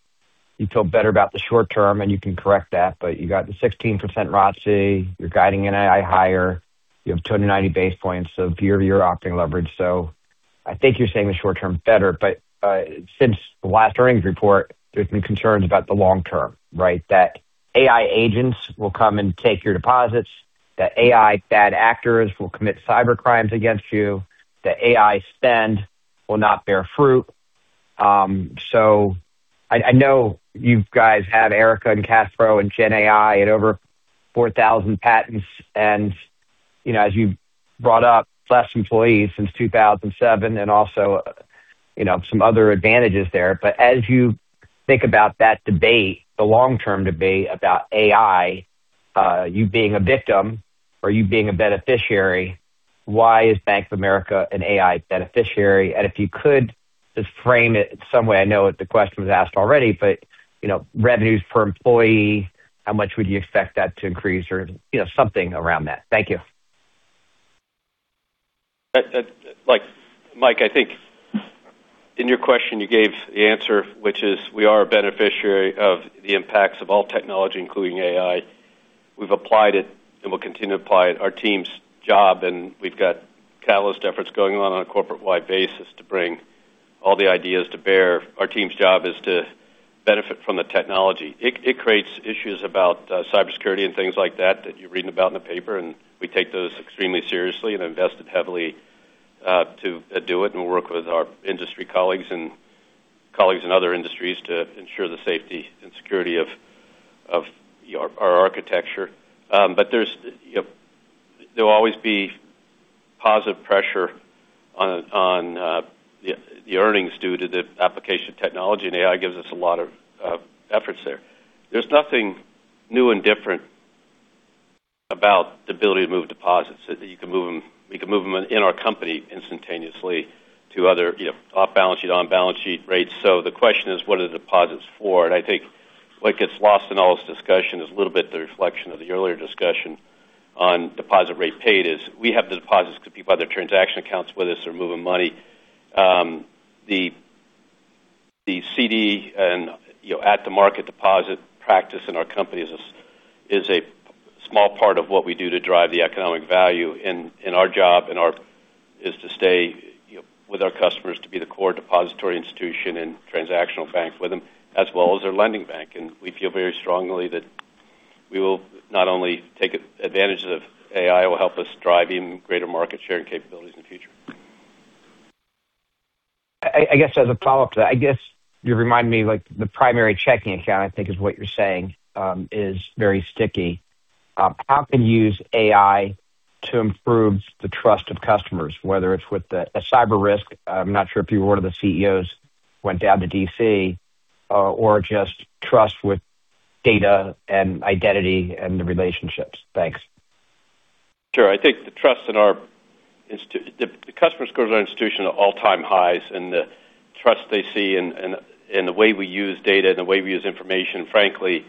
you feel better about the short term, and you can correct that, but you got the 16% ROTCE. You're guiding NII higher. You have 290 basis points of year-over-year operating leverage. I think you're saying the short term is better, but since the last earnings report, there's been concerns about the long term, right? That AI agents will come and take your deposits, that AI bad actors will commit cyber crimes against you, that AI spend will not bear fruit. I know you guys have Erica and CashPro and Gen AI and over 4,000 patents, and as you brought up, less employees since 2007, and also some other advantages there. As you think about that debate, the long-term debate about AI, you being a victim or you being a beneficiary, why is Bank of America an AI beneficiary? If you could just frame it in some way. I know the question was asked already, but revenues per employee, how much would you expect that to increase, or something around that? Thank you. Mike, I think in your question you gave the answer, which is we are a beneficiary of the impacts of all technology, including AI. We've applied it and we'll continue to apply it, our team's job. We've got catalyst efforts going on on a corporate-wide basis to bring all the ideas to bear. Our team's job is to benefit from the technology. It creates issues about cybersecurity and things like that you're reading about in the paper, and we take those extremely seriously and invested heavily to do it and work with our industry colleagues and colleagues in other industries to ensure the safety and security of our architecture. There'll always be positive pressure on the earnings due to the application of technology, and AI gives us a lot of efforts there. There's nothing new and different about the ability to move deposits. We can move them in our company instantaneously to other off-balance sheet, on-balance sheet rates. The question is, what are the deposits for? I think what gets lost in all this discussion is a little bit the reflection of the earlier discussion on deposit rate paid is we have the deposits because people have their transaction accounts with us. They're moving money. The CD and at-the-market deposit practice in our company is a small part of what we do to drive the economic value, and our job is to stay with our customers to be the core depository institution and transactional bank with them, as well as their lending bank. We feel very strongly that we will not only take advantage of AI, it will help us drive even greater market share and capabilities in the future. I guess as a follow-up to that, I guess you remind me, like, the primary checking account, I think is what you're saying, is very sticky. How can you use AI to improve the trust of customers, whether it's with a cyber risk? I'm not sure if you or one of the CEOs went down to D.C. or just trust with data and identity and the relationships. Thanks. Sure. The customer scores in our institution are all-time highs, and the trust they see in the way we use data and the way we use information, frankly,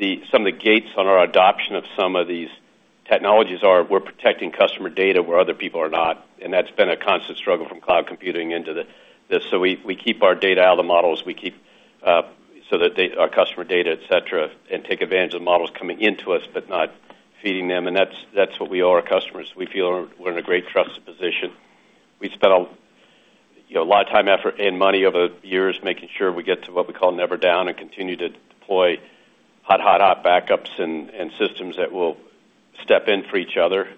some of the gates on our adoption of some of these technologies are we're protecting customer data where other people are not. That's been a constant struggle from cloud computing into this. We keep our data out of the models so that our customer data, et cetera, and take advantage of the models coming into us, but not feeding them. That's what we owe our customers. We feel we're in a great trusted position. We've spent a lot of time, effort, and money over the years making sure we get to what we call Never Down and continue to deploy hot backups and systems that will step in for each other.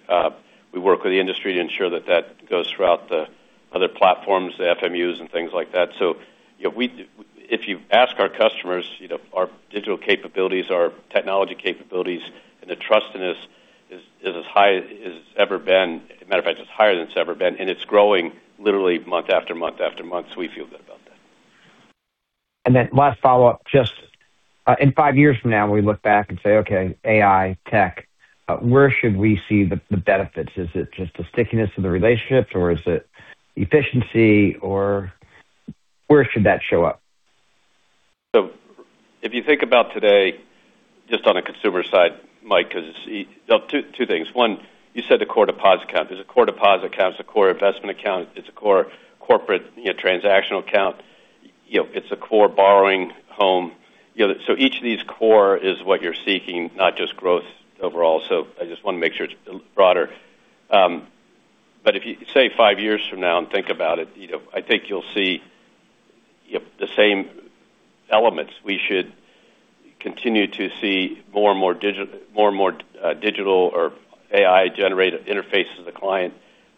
We work with the industry to ensure that goes throughout the other platforms, the FMUs and things like that. If you ask our customers, our digital capabilities, our technology capabilities, and the trust in us is as high as it's ever been. As a matter of fact, it's higher than it's ever been, and it's growing literally month after month after month. We feel good about that. Last follow-up, just in five years from now, when we look back and say, okay, AI, tech, where should we see the benefits? Is it just the stickiness of the relationships, or is it efficiency, or where should that show up? If you think about today, just on the consumer side, Mike, because two things. One, you said the core deposit account. There's a core deposit account, there's a core investment account, it's a core corporate transactional account. It's a core borrowing home. Each of these core is what you're seeking, not just growth overall. I just want to make sure it's broader. If you say five years from now and think about it, I think you'll see the same elements. We should continue to see more and more digital or AI-generated interfaces to the client.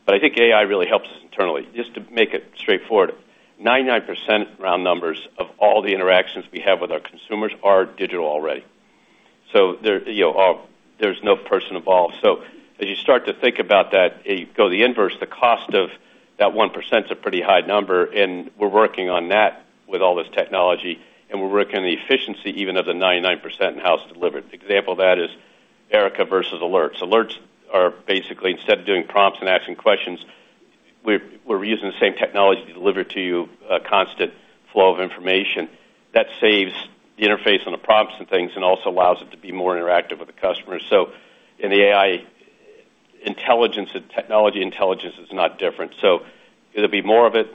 I think AI really helps us internally. Just to make it straightforward, 99% round numbers of all the interactions we have with our consumers are digital already. There's no person involved. So as you start to think about that, you go the inverse, the cost of that 1% is a pretty high number, and we're working on that with all this technology, and we're working on the efficiency even of the 99% in-house delivered. Example of that is Erica versus alerts. Alerts are basically, instead of doing prompts and asking questions, we're reusing the same technology to deliver to you a constant flow of information. That saves the interface on the prompts and things, and also allows it to be more interactive with the customer. So in the AI intelligence, the technology intelligence is not different. So it'll be more of it.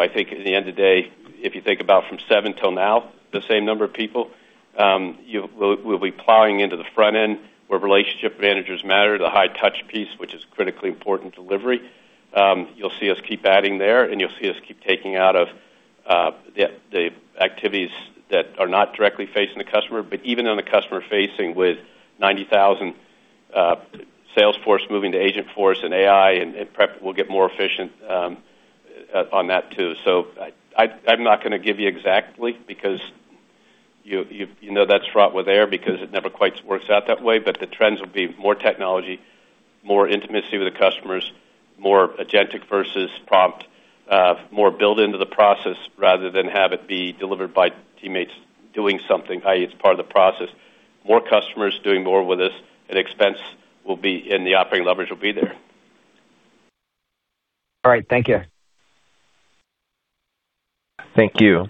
I think at the end of the day, if you think about from 2007 till now, the same number of people, we'll be plowing into the front end where relationship managers matter, the high-touch piece, which is critically important delivery. You'll see us keep adding there, and you'll see us keep taking out of the activities that are not directly facing the customer. Even on the customer-facing with 90,000 Salesforce moving to Agentforce and AI and prompt, we'll get more efficient on that too. I'm not going to give you exactly because you know that's fraught with error because it never quite works out that way. The trends will be more technology, more intimacy with the customers, more agentic versus prompt, more build into the process rather than have it be delivered by teammates doing something, i.e., it's part of the process. More customers doing more with us and expense, the operating leverage will be there. All right. Thank you. Thank you.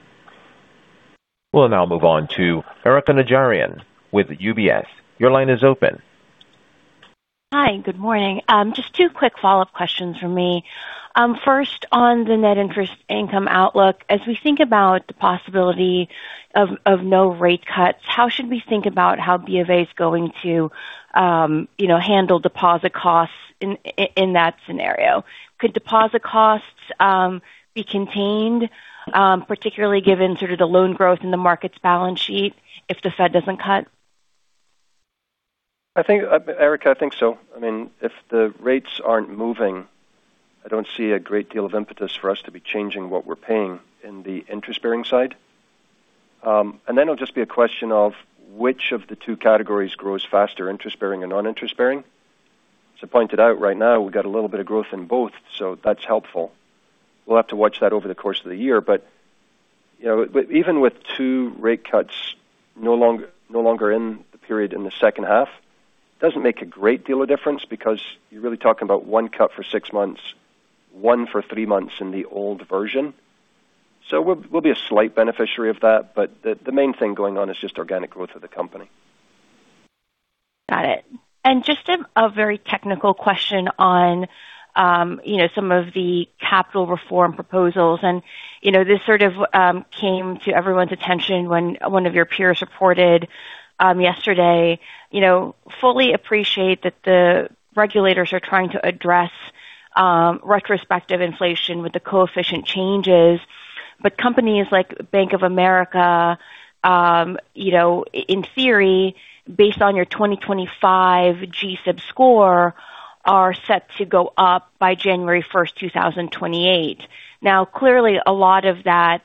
We'll now move on to Erika Najarian with UBS. Your line is open. Hi. Good morning. Just two quick follow-up questions from me. First, on the net interest income outlook, as we think about the possibility of no rate cuts, how should we think about how BofA is going to handle deposit costs in that scenario? Could deposit costs be contained, particularly given sort of the loan growth in the Markets balance sheet if the Fed doesn't cut? Erika, I think so. If the rates aren't moving, I don't see a great deal of impetus for us to be changing what we're paying in the interest-bearing side. It'll just be a question of which of the two categories grows faster, interest-bearing or non-interest-bearing. As I pointed out, right now we've got a little bit of growth in both, so that's helpful. We'll have to watch that over the course of the year. Even with two rate cuts no longer in the period in the second half, it doesn't make a great deal of difference because you're really talking about one cut for six months, one for three months in the old version. We'll be a slight beneficiary of that, but the main thing going on is just organic growth of the company. Got it. Just a very technical question on some of the capital reform proposals, and this sort of came to everyone's attention when one of your peers reported yesterday. Fully appreciate that the regulators are trying to address retrospective inflation with the coefficient changes. Companies like Bank of America, in theory, based on your 2025 G-SIB score, are set to go up by January 1st, 2028. Now, clearly, a lot of that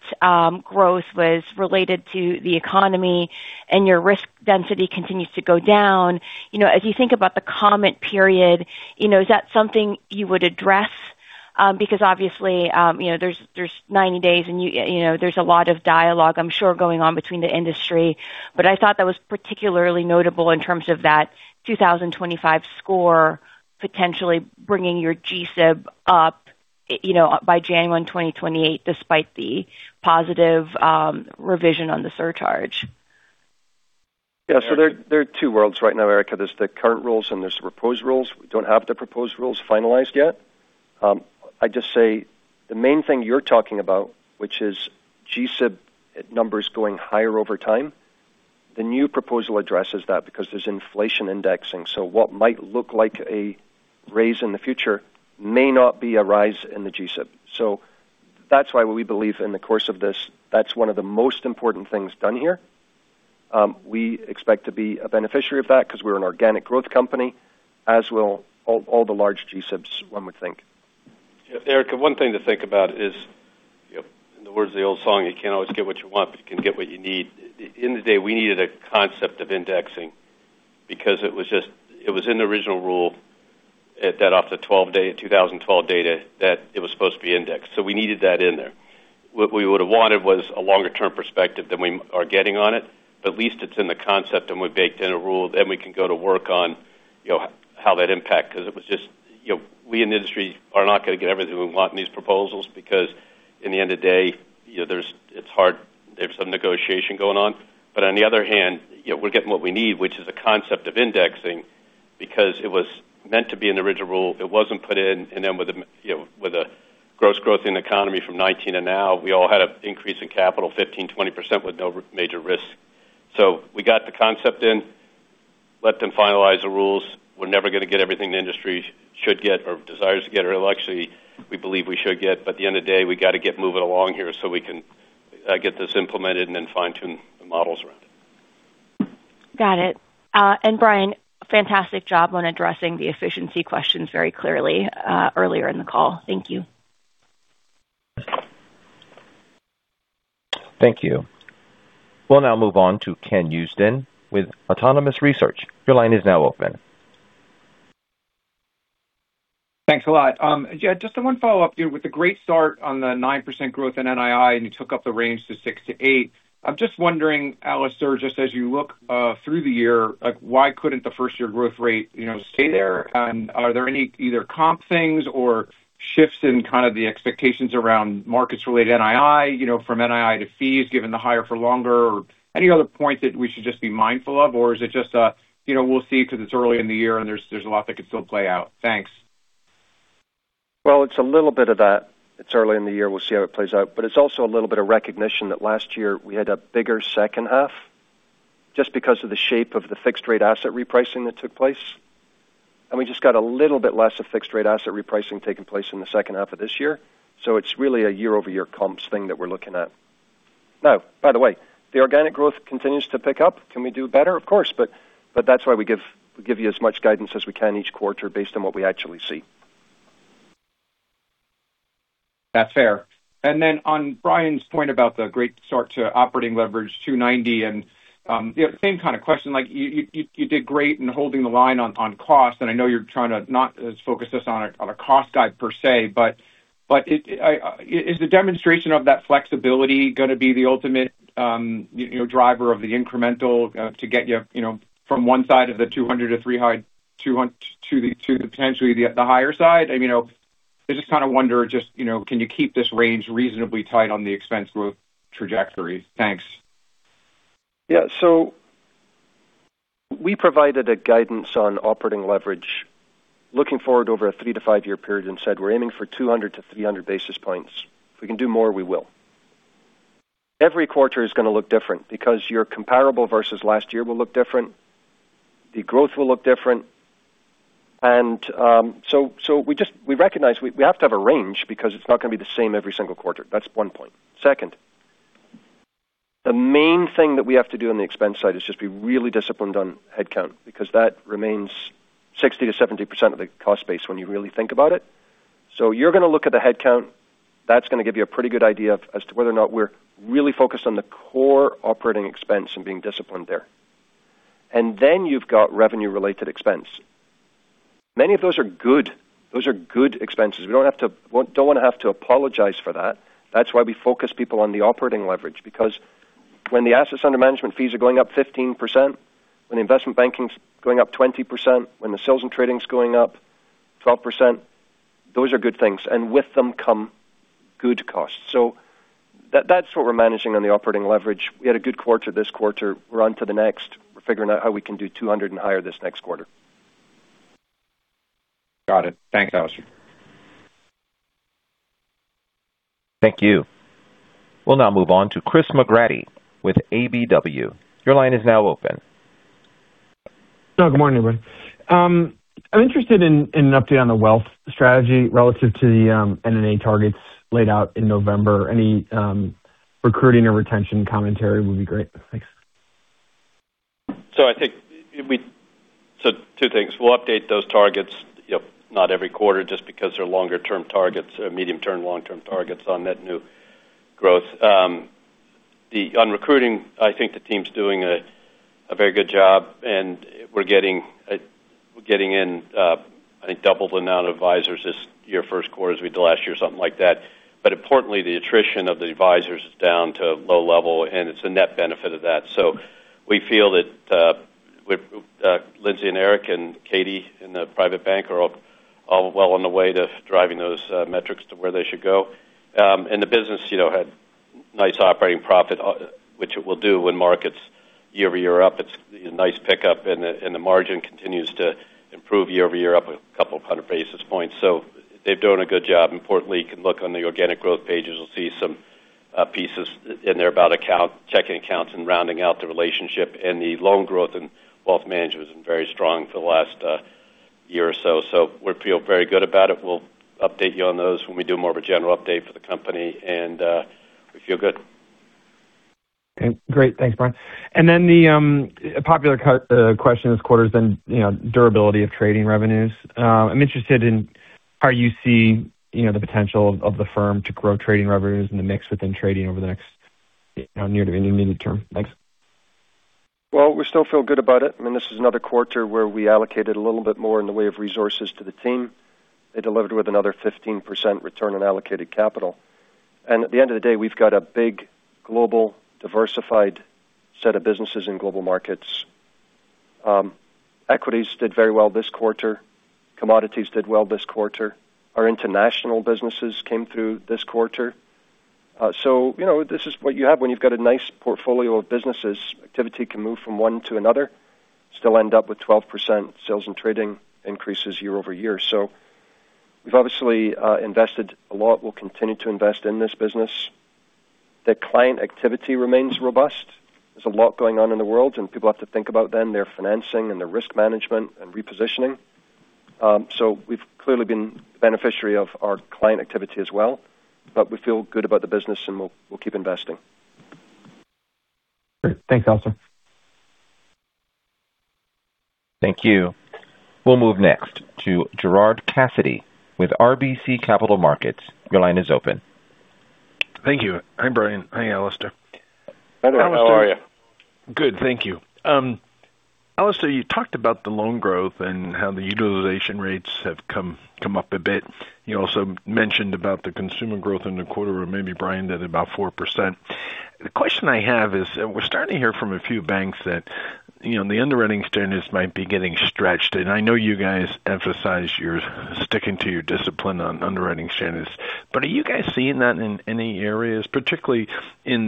growth was related to the economy, and your risk density continues to go down. As you think about the comment period, is that something you would address? Because obviously, there's 90 days and there's a lot of dialogue, I'm sure, going on between the industry. I thought that was particularly notable in terms of that 2025 score, potentially bringing your G-SIB up by January 2028, despite the positive revision on the surcharge. Yeah. There are two worlds right now, Erika. There's the current rules and there's the proposed rules. We don't have the proposed rules finalized yet. I'd just say the main thing you're talking about, which is G-SIB numbers going higher over time, the new proposal addresses that because there's inflation indexing. What might look like a raise in the future may not be a rise in the G-SIB. That's why we believe in the course of this, that's one of the most important things done here. We expect to be a beneficiary of that because we're an organic growth company, as will all the large G-SIBs, one would think. Erika, one thing to think about is, in the words of the old song, you can't always get what you want, but you can get what you need. At the end of the day, we needed a concept of indexing because it was in the original rule that after the 2012 data, that it was supposed to be indexed. We needed that in there. What we would have wanted was a longer-term perspective than we are getting on it. At least it's in the concept and we baked in a rule, then we can go to work on how that impact, because it was just we in the industry are not going to get everything we want in these proposals because in the end of the day, there's some negotiation going on. On the other hand, we're getting what we need, which is the concept of indexing, because it was meant to be an original rule. It wasn't put in. With a gross growth in the economy from 2019 to now, we all had an increase in capital 15%-20% with no major risk. We got the concept in. Let them finalize the rules. We're never going to get everything the industry should get or desires to get, or actually, we believe we should get. At the end of the day, we got to get moving along here so we can get this implemented and then fine-tune the models around it. Got it. Brian, fantastic job on addressing the efficiency questions very clearly earlier in the call. Thank you. Thank you. We'll now move on to Ken Usdin with Autonomous Research. Your line is now open. Thanks a lot. Just one follow-up. With the great start on the 9% growth in NII, and you took up the range to 6%-8%, I'm just wondering, Alastair, just as you look through the year, why couldn't the first-year growth rate stay there? Are there any either comp things or shifts in kind of the expectations around markets related to NII, from NII to fees, given the higher for longer, or any other point that we should just be mindful of? Is it just a we'll see because it's early in the year and there's a lot that could still play out? Thanks. Well, it's a little bit of that. It's early in the year. We'll see how it plays out. It's also a little bit of recognition that last year we had a bigger second half just because of the shape of the fixed rate asset repricing that took place. We just got a little bit less of fixed rate asset repricing taking place in the second half of this year. It's really a year-over-year comps thing that we're looking at. Now, by the way, the organic growth continues to pick up. Can we do better? Of course. That's why we give you as much guidance as we can each quarter based on what we actually see. That's fair. On Brian's point about the great start to operating leverage 290 and same kind of question, you did great in holding the line on cost, and I know you're trying to not focus us on a cost guide per se, but is the demonstration of that flexibility going to be the ultimate driver of the incremental to get you from one side of the 200-300 to potentially the higher side? I just kind of wonder, can you keep this range reasonably tight on the expense growth trajectory? Thanks. Yeah. We provided a guidance on operating leverage looking forward over a three-year-five-year period and said we're aiming for 200 basis points-300 basis points. If we can do more, we will. Every quarter is going to look different because your comparable versus last year will look different. The growth will look different. We recognize we have to have a range because it's not going to be the same every single quarter. That's one point. Second, the main thing that we have to do on the expense side is just be really disciplined on headcount because that remains 60%-70% of the cost base when you really think about it. You're going to look at the headcount. That's going to give you a pretty good idea as to whether or not we're really focused on the core operating expense and being disciplined there. You've got revenue-related expense. Many of those are good. Those are good expenses. We don't want to have to apologize for that. That's why we focus people on the operating leverage, because when the assets under management fees are going up 15%, when the investment banking's going up 20%, when the sales and trading's going up 12%, those are good things, and with them come good costs. That's what we're managing on the operating leverage. We had a good quarter this quarter. We're on to the next. We're figuring out how we can do 200 and higher this next quarter. Got it. Thanks, Alastair. Thank you. We'll now move on to Chris McGratty with KBW. Your line is now open. Good morning, everyone. I'm interested in an update on the wealth strategy relative to the NNA targets laid out in November. Any recruiting or retention commentary would be great. Thanks. Two things. We'll update those targets not every quarter just because they're longer-term targets, medium-term, long-term targets on new growth. On recruiting, I think the team's doing a very good job, and we're getting in, I think, double the amount of advisors this year, first quarter as we did last year, something like that. Importantly, the attrition of the advisors is down to low level, and it's a net benefit of that. We feel that Lindsay and Eric and Katie in the Private Bank are all well on the way to driving those metrics to where they should go. The business had nice operating profit, which it will do when market's year-over-year up. It's a nice pickup, and the margin continues to improve year-over-year up a couple of hundred basis points. They're doing a good job. Importantly, you can look on the organic growth pages. You'll see some pieces in there about checking accounts and rounding out the relationship. The loan growth in Wealth Management has been very strong for the last year or so. We feel very good about it. We'll update you on those when we do more of a general update for the company, and we feel good. Okay, great. Thanks, Brian. The popular question this quarter has been durability of trading revenues. I'm interested in how you see the potential of the firm to grow trading revenues in the mix within trading over the next near to intermediate term. Thanks. Well, we still feel good about it. I mean, this is another quarter where we allocated a little bit more in the way of resources to the team. They delivered with another 15% return on allocated capital. At the end of the day, we've got a big global diversified set of businesses in Global Markets. Equities did very well this quarter. Commodities did well this quarter. Our international businesses came through this quarter. This is what you have when you've got a nice portfolio of businesses. Activity can move from one to another. We still end up with 12% sales and trading increases year-over-year. We've obviously invested a lot. We'll continue to invest in this business. The client activity remains robust. There's a lot going on in the world, and people have to think about then their financing and their risk management and repositioning. We've clearly been beneficiary of our client activity as well, but we feel good about the business and we'll keep investing. Great. Thanks, Alastair. Thank you. We'll move next to Gerard Cassidy with RBC Capital Markets. Your line is open. Thank you. Hi, Brian. Hi, Alastair. Hi there. How are you? Good, thank you. Alastair, you talked about the loan growth and how the utilization rates have come up a bit. You also mentioned about the consumer growth in the quarter, or maybe Brian, at about 4%. The question I have is, we're starting to hear from a few banks that the underwriting standards might be getting stretched, and I know you guys emphasize you're sticking to your discipline on underwriting standards. Are you guys seeing that in any areas, particularly in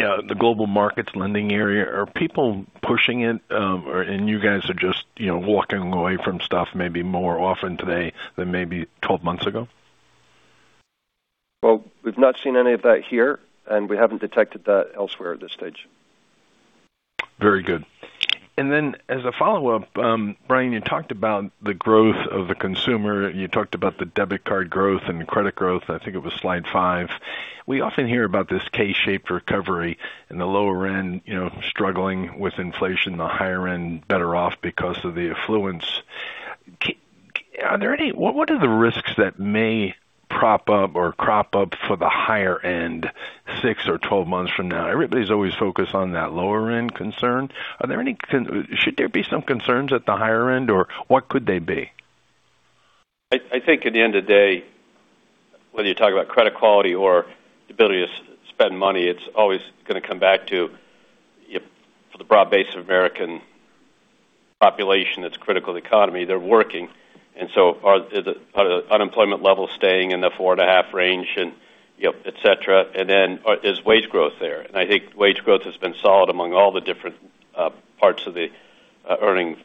the Global Markets lending area? Are people pushing it, and you guys are just walking away from stuff maybe more often today than maybe 12 months ago? Well, we've not seen any of that here, and we haven't detected that elsewhere at this stage. Very good. As a follow-up, Brian, you talked about the growth of the consumer. You talked about the debit card growth and the credit growth. I think it was slide five. We often hear about this K-shaped recovery in the lower end, struggling with inflation, the higher end better off because of the affluence. What are the risks that may prop up or crop up for the higher end six or 12 months from now? Everybody's always focused on that lower end concern. Should there be some concerns at the higher end, or what could they be? I think at the end of the day, whether you talk about credit quality or the ability to spend money, it's always going to come back to the broad base of American population that's critical to the economy. They're working. Are the unemployment levels staying in the 4.5 Range and et cetera? Is wage growth there? I think wage growth has been solid among all the different parts of the earning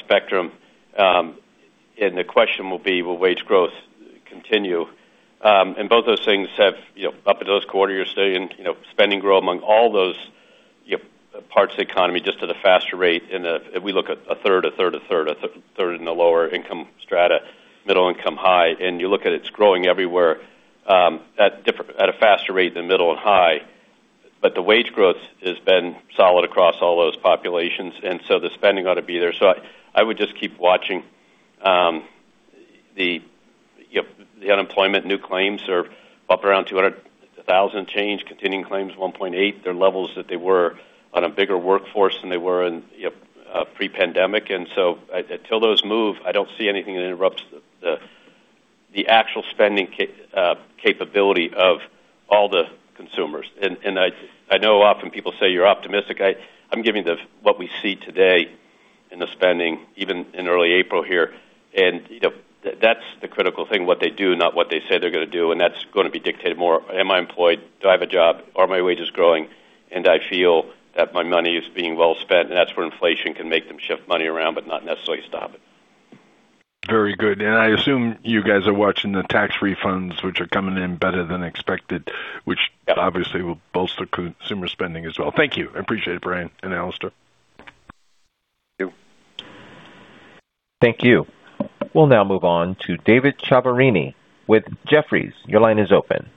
spectrum. The question will be, will wage growth continue? Up until this quarter, you're seeing spending grow among all those parts of the economy just at a faster rate. If we look at a third in the lower income strata, middle income, high, and you look at, it's growing everywhere at a faster rate than middle and high. The wage growth has been solid across all those populations, and so the spending ought to be there. I would just keep watching the unemployment new claims are up around 200,000 change, continuing claims 1.8. They're levels that they were on a bigger workforce than they were in pre-pandemic. Until those move, I don't see anything that interrupts the actual spending capability of all the consumers. I know often people say you're optimistic. I'm giving what we see today in the spending, even in early April here. That's the critical thing, what they do, not what they say they're going to do. That's going to be dictated more, am I employed? Do I have a job? Are my wages growing, and I feel that my money is being well spent? That's where inflation can make them shift money around, but not necessarily stop it. Very good. I assume you guys are watching the tax refunds, which are coming in better than expected, which obviously will bolster consumer spending as well. Thank you. I appreciate it, Brian and Alastair. Thank you. Thank you. We'll now move on to David Chiaverini with Jefferies. Your line is open.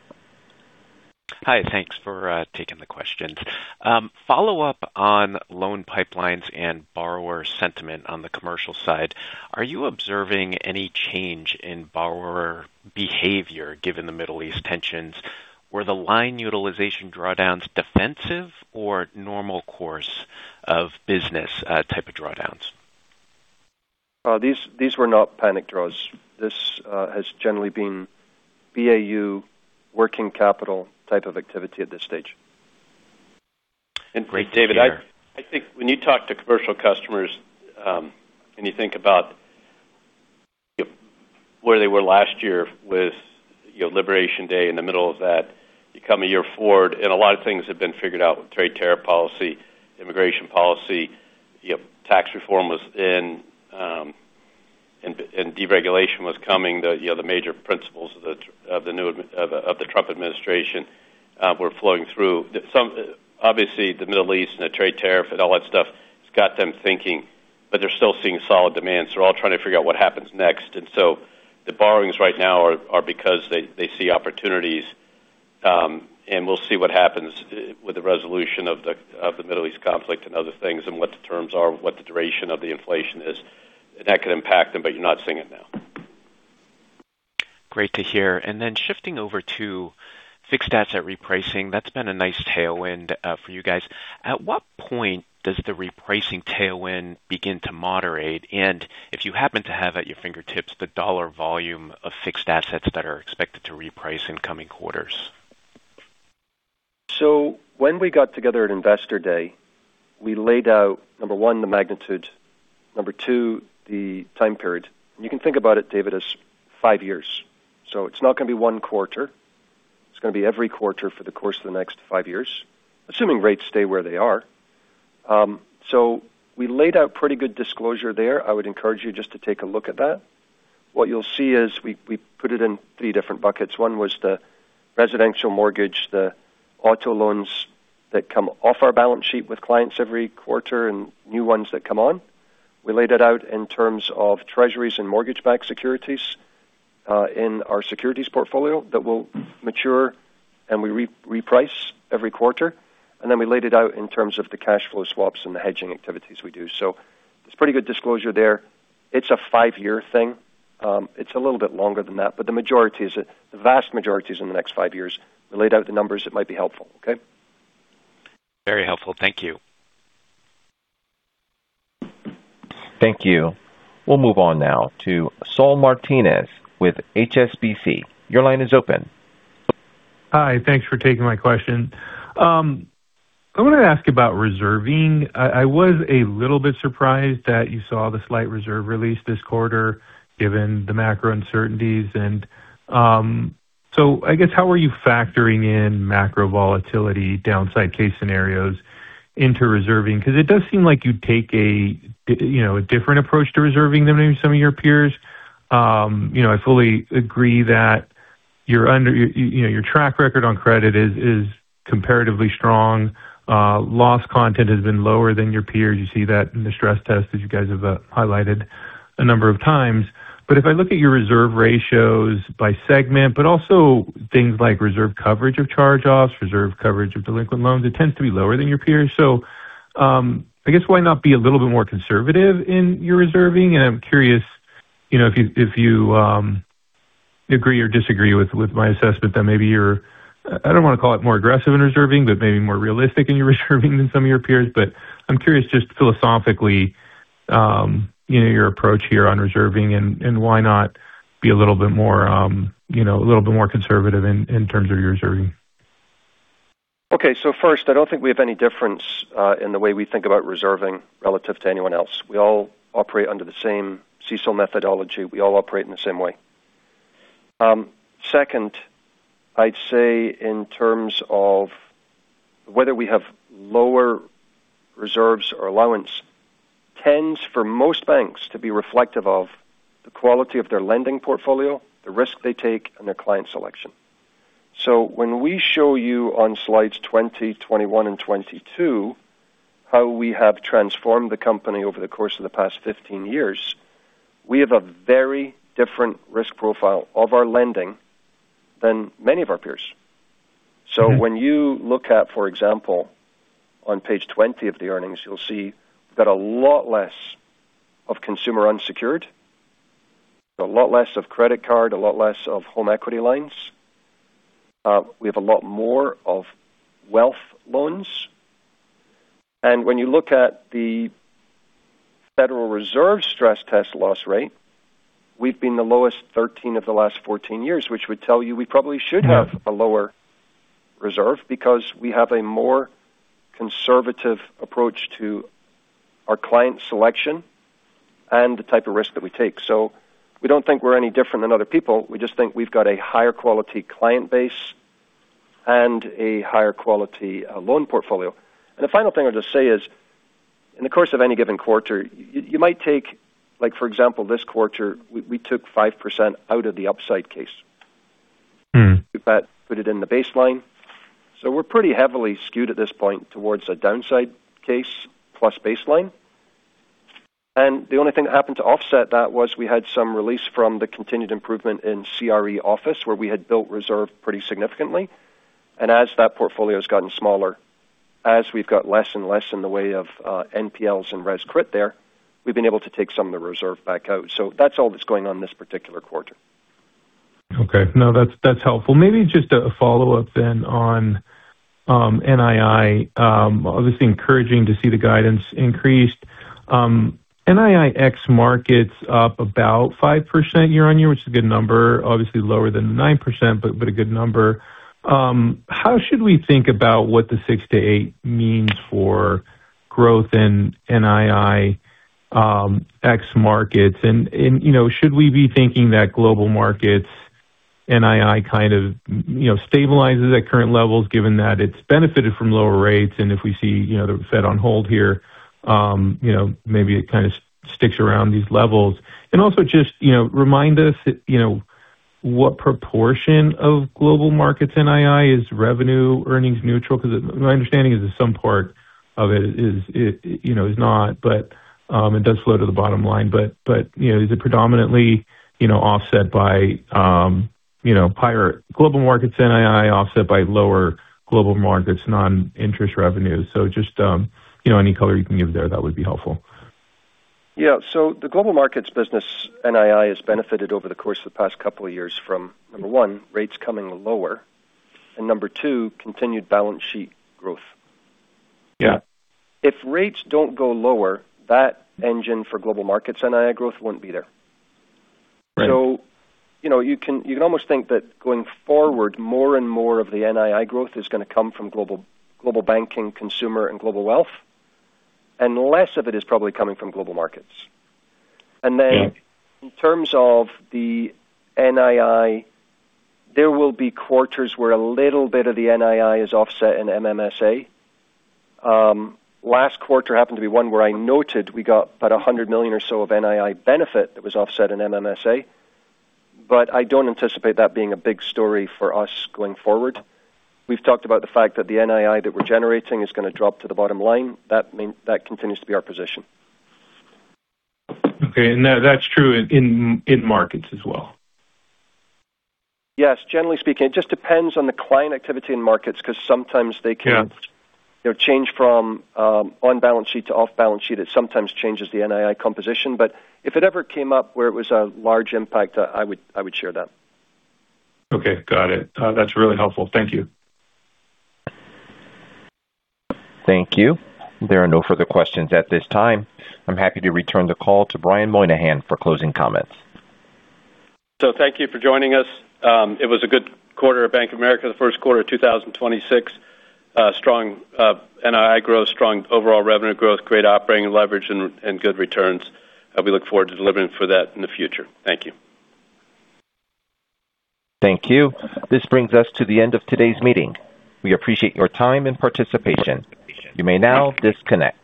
Hi. Thanks for taking the questions. Follow-up on loan pipelines and borrower sentiment on the commercial side. Are you observing any change in borrower behavior given the Middle East tensions? Were the line utilization drawdowns defensive or normal course of business type of drawdowns? These were not panic draws. This has generally been BAU working capital type of activity at this stage. Great, David. I think when you talk to commercial customers, and you think about where they were last year with Liberation Day in the middle of that, you come a year forward, and a lot of things have been figured out with trade tariff policy, immigration policy, tax reform was in, and deregulation was coming. The major principles of the Trump administration were flowing through. Obviously, the Middle East and the trade tariff and all that stuff has got them thinking, but they're still seeing solid demand. They're all trying to figure out what happens next. The borrowings right now are because they see opportunities. We'll see what happens with the resolution of the Middle East conflict and other things, and what the terms are, what the duration of the inflation is. That could impact them, but you're not seeing it now. Great to hear. Shifting over to fixed asset repricing, that's been a nice tailwind for you guys. At what point does the repricing tailwind begin to moderate, and if you happen to have at your fingertips the dollar volume of fixed assets that are expected to reprice in coming quarters? When we got together at Investor Day, we laid out, number one, the magnitude, number two, the time period. You can think about it, David, as five years. It's not going to be one quarter. It's going to be every quarter for the course of the next five years, assuming rates stay where they are. We laid out pretty good disclosure there. I would encourage you just to take a look at that. What you'll see is we put it in three different buckets. One was the residential mortgage, the auto loans that come off our balance sheet with clients every quarter, and new ones that come on. We laid it out in terms of treasuries and mortgage-backed securities in our securities portfolio that will mature, and we reprice every quarter. We laid it out in terms of the cash flow swaps and the hedging activities we do. There's pretty good disclosure there. It's a five-year thing. It's a little bit longer than that, but the vast majority is in the next five years. We laid out the numbers. That might be helpful. Okay. Very helpful. Thank you. Thank you. We'll move on now to Saul Martinez with HSBC. Your line is open. Hi. Thanks for taking my question. I want to ask about reserving. I was a little bit surprised that you saw the slight reserve release this quarter given the macro uncertainties. I guess how are you factoring in macro volatility downside case scenarios into reserving, qbecause it does seem like you take a different approach to reserving than maybe some of your peers? I fully agree that your track record on credit is comparatively strong. Loss content has been lower than your peers. You see that in the stress test as you guys have highlighted a number of times. If I look at your reserve ratios by segment, but also things like reserve coverage of charge-offs, reserve coverage of delinquent loans, it tends to be lower than your peers. I guess why not be a little bit more conservative in your reserving? I'm curious if you agree or disagree with my assessment that maybe you're, I don't want to call it more aggressive in reserving, but maybe more realistic in your reserving than some of your peers. I'm curious just philosophically your approach here on reserving, and why not be a little bit more conservative in terms of your reserving? Okay. First, I don't think we have any difference in the way we think about reserving relative to anyone else. We all operate under the same CECL methodology. We all operate in the same way. Second, I'd say in terms of whether we have lower reserves or allowance, tends for most banks to be reflective of the quality of their lending portfolio, the risk they take, and their client selection. When we show you on slides 20, 21, and 22 how we have transformed the company over the course of the past 15 years, we have a very different risk profile of our lending than many of our peers. When you look at, for example, on page 20 of the earnings, you'll see we've got a lot less of consumer unsecured, a lot less of credit card, a lot less of home equity lines. We have a lot more of wealth loans. When you look at the Federal Reserve stress test loss rate, we've been the lowest 13 of the last 14 years, which would tell you we probably should have a lower reserve because we have a more conservative approach to our client selection and the type of risk that we take. We don't think we're any different than other people. We just think we've got a higher quality client base and a higher quality loan portfolio. The final thing I'll just say is, in the course of any given quarter, you might take, like for example, this quarter, we\ took 5% out of the upside case. Mm-hmm. We put it in the baseline. We're pretty heavily skewed at this point towards a downside case plus baseline. The only thing that happened to offset that was we had some release from the continued improvement in CRE office where we had built reserve pretty significantly. As that portfolio has gotten smaller, as we've got less and less in the way of NPLs and criticized there, we've been able to take some of the reserve back out. That's all that's going on this particular quarter. Okay. No, that's helpful. Maybe just a follow-up then on NII. Obviously encouraging to see the guidance increased. NII ex markets up about 5% year-on-year, which is a good number. Obviously lower than the 9%, but a good number. How should we think about what the 6%-8% means for growth in NII ex markets? Should we be thinking that Global Markets NII kind of stabilizes at current levels given that it's benefited from lower rates, and if we see the Fed on hold here, maybe it kind of sticks around these levels? Also just remind us what proportion of Global Markets NII is revenue earnings neutral, because my understanding is that some part of it is not, but it does flow to the bottom line. Is it predominantly offset by higher Global Markets NII offset by lower Global Markets non-interest revenue? Just any color you can give there, that would be helpful. Yeah. The Global Markets business NII has benefited over the course of the past couple of years from, number one, rates coming lower, and number two, continued balance sheet growth. Yeah. If rates don't go lower, that engine for Global Markets NII growth won't be there. Right. You can almost think that going forward, more and more of the NII growth is going to come from Global Banking, Consumer, and Global Wealth, and less of it is probably coming from Global Markets. Yeah. In terms of the NII, there will be quarters where a little bit of the NII is offset in MMSA. Last quarter happened to be one where I noted we got about $100 million or so of NII benefit that was offset in MMSA, but I don't anticipate that being a big story for us going forward. We've talked about the fact that the NII that we're generating is going to drop to the bottom line. That continues to be our position. Okay, that's true in markets as well? Yes, generally speaking, it just depends on the client activity in markets because sometimes they can. Yeah. Change from on balance sheet to off balance sheet. It sometimes changes the NII composition. If it ever came up where it was a large impact, I would share that. Okay, got it. That's really helpful. Thank you. Thank you. There are no further questions at this time. I'm happy to return the call to Brian Moynihan for closing comments. Thank you for joining us. It was a good quarter at Bank of America, the first quarter of 2026, strong NII growth, strong overall revenue growth, great operating leverage, and good returns. We look forward to delivering for that in the future. Thank you. Thank you. This brings us to the end of today's meeting. We appreciate your time and participation. You may now disconnect.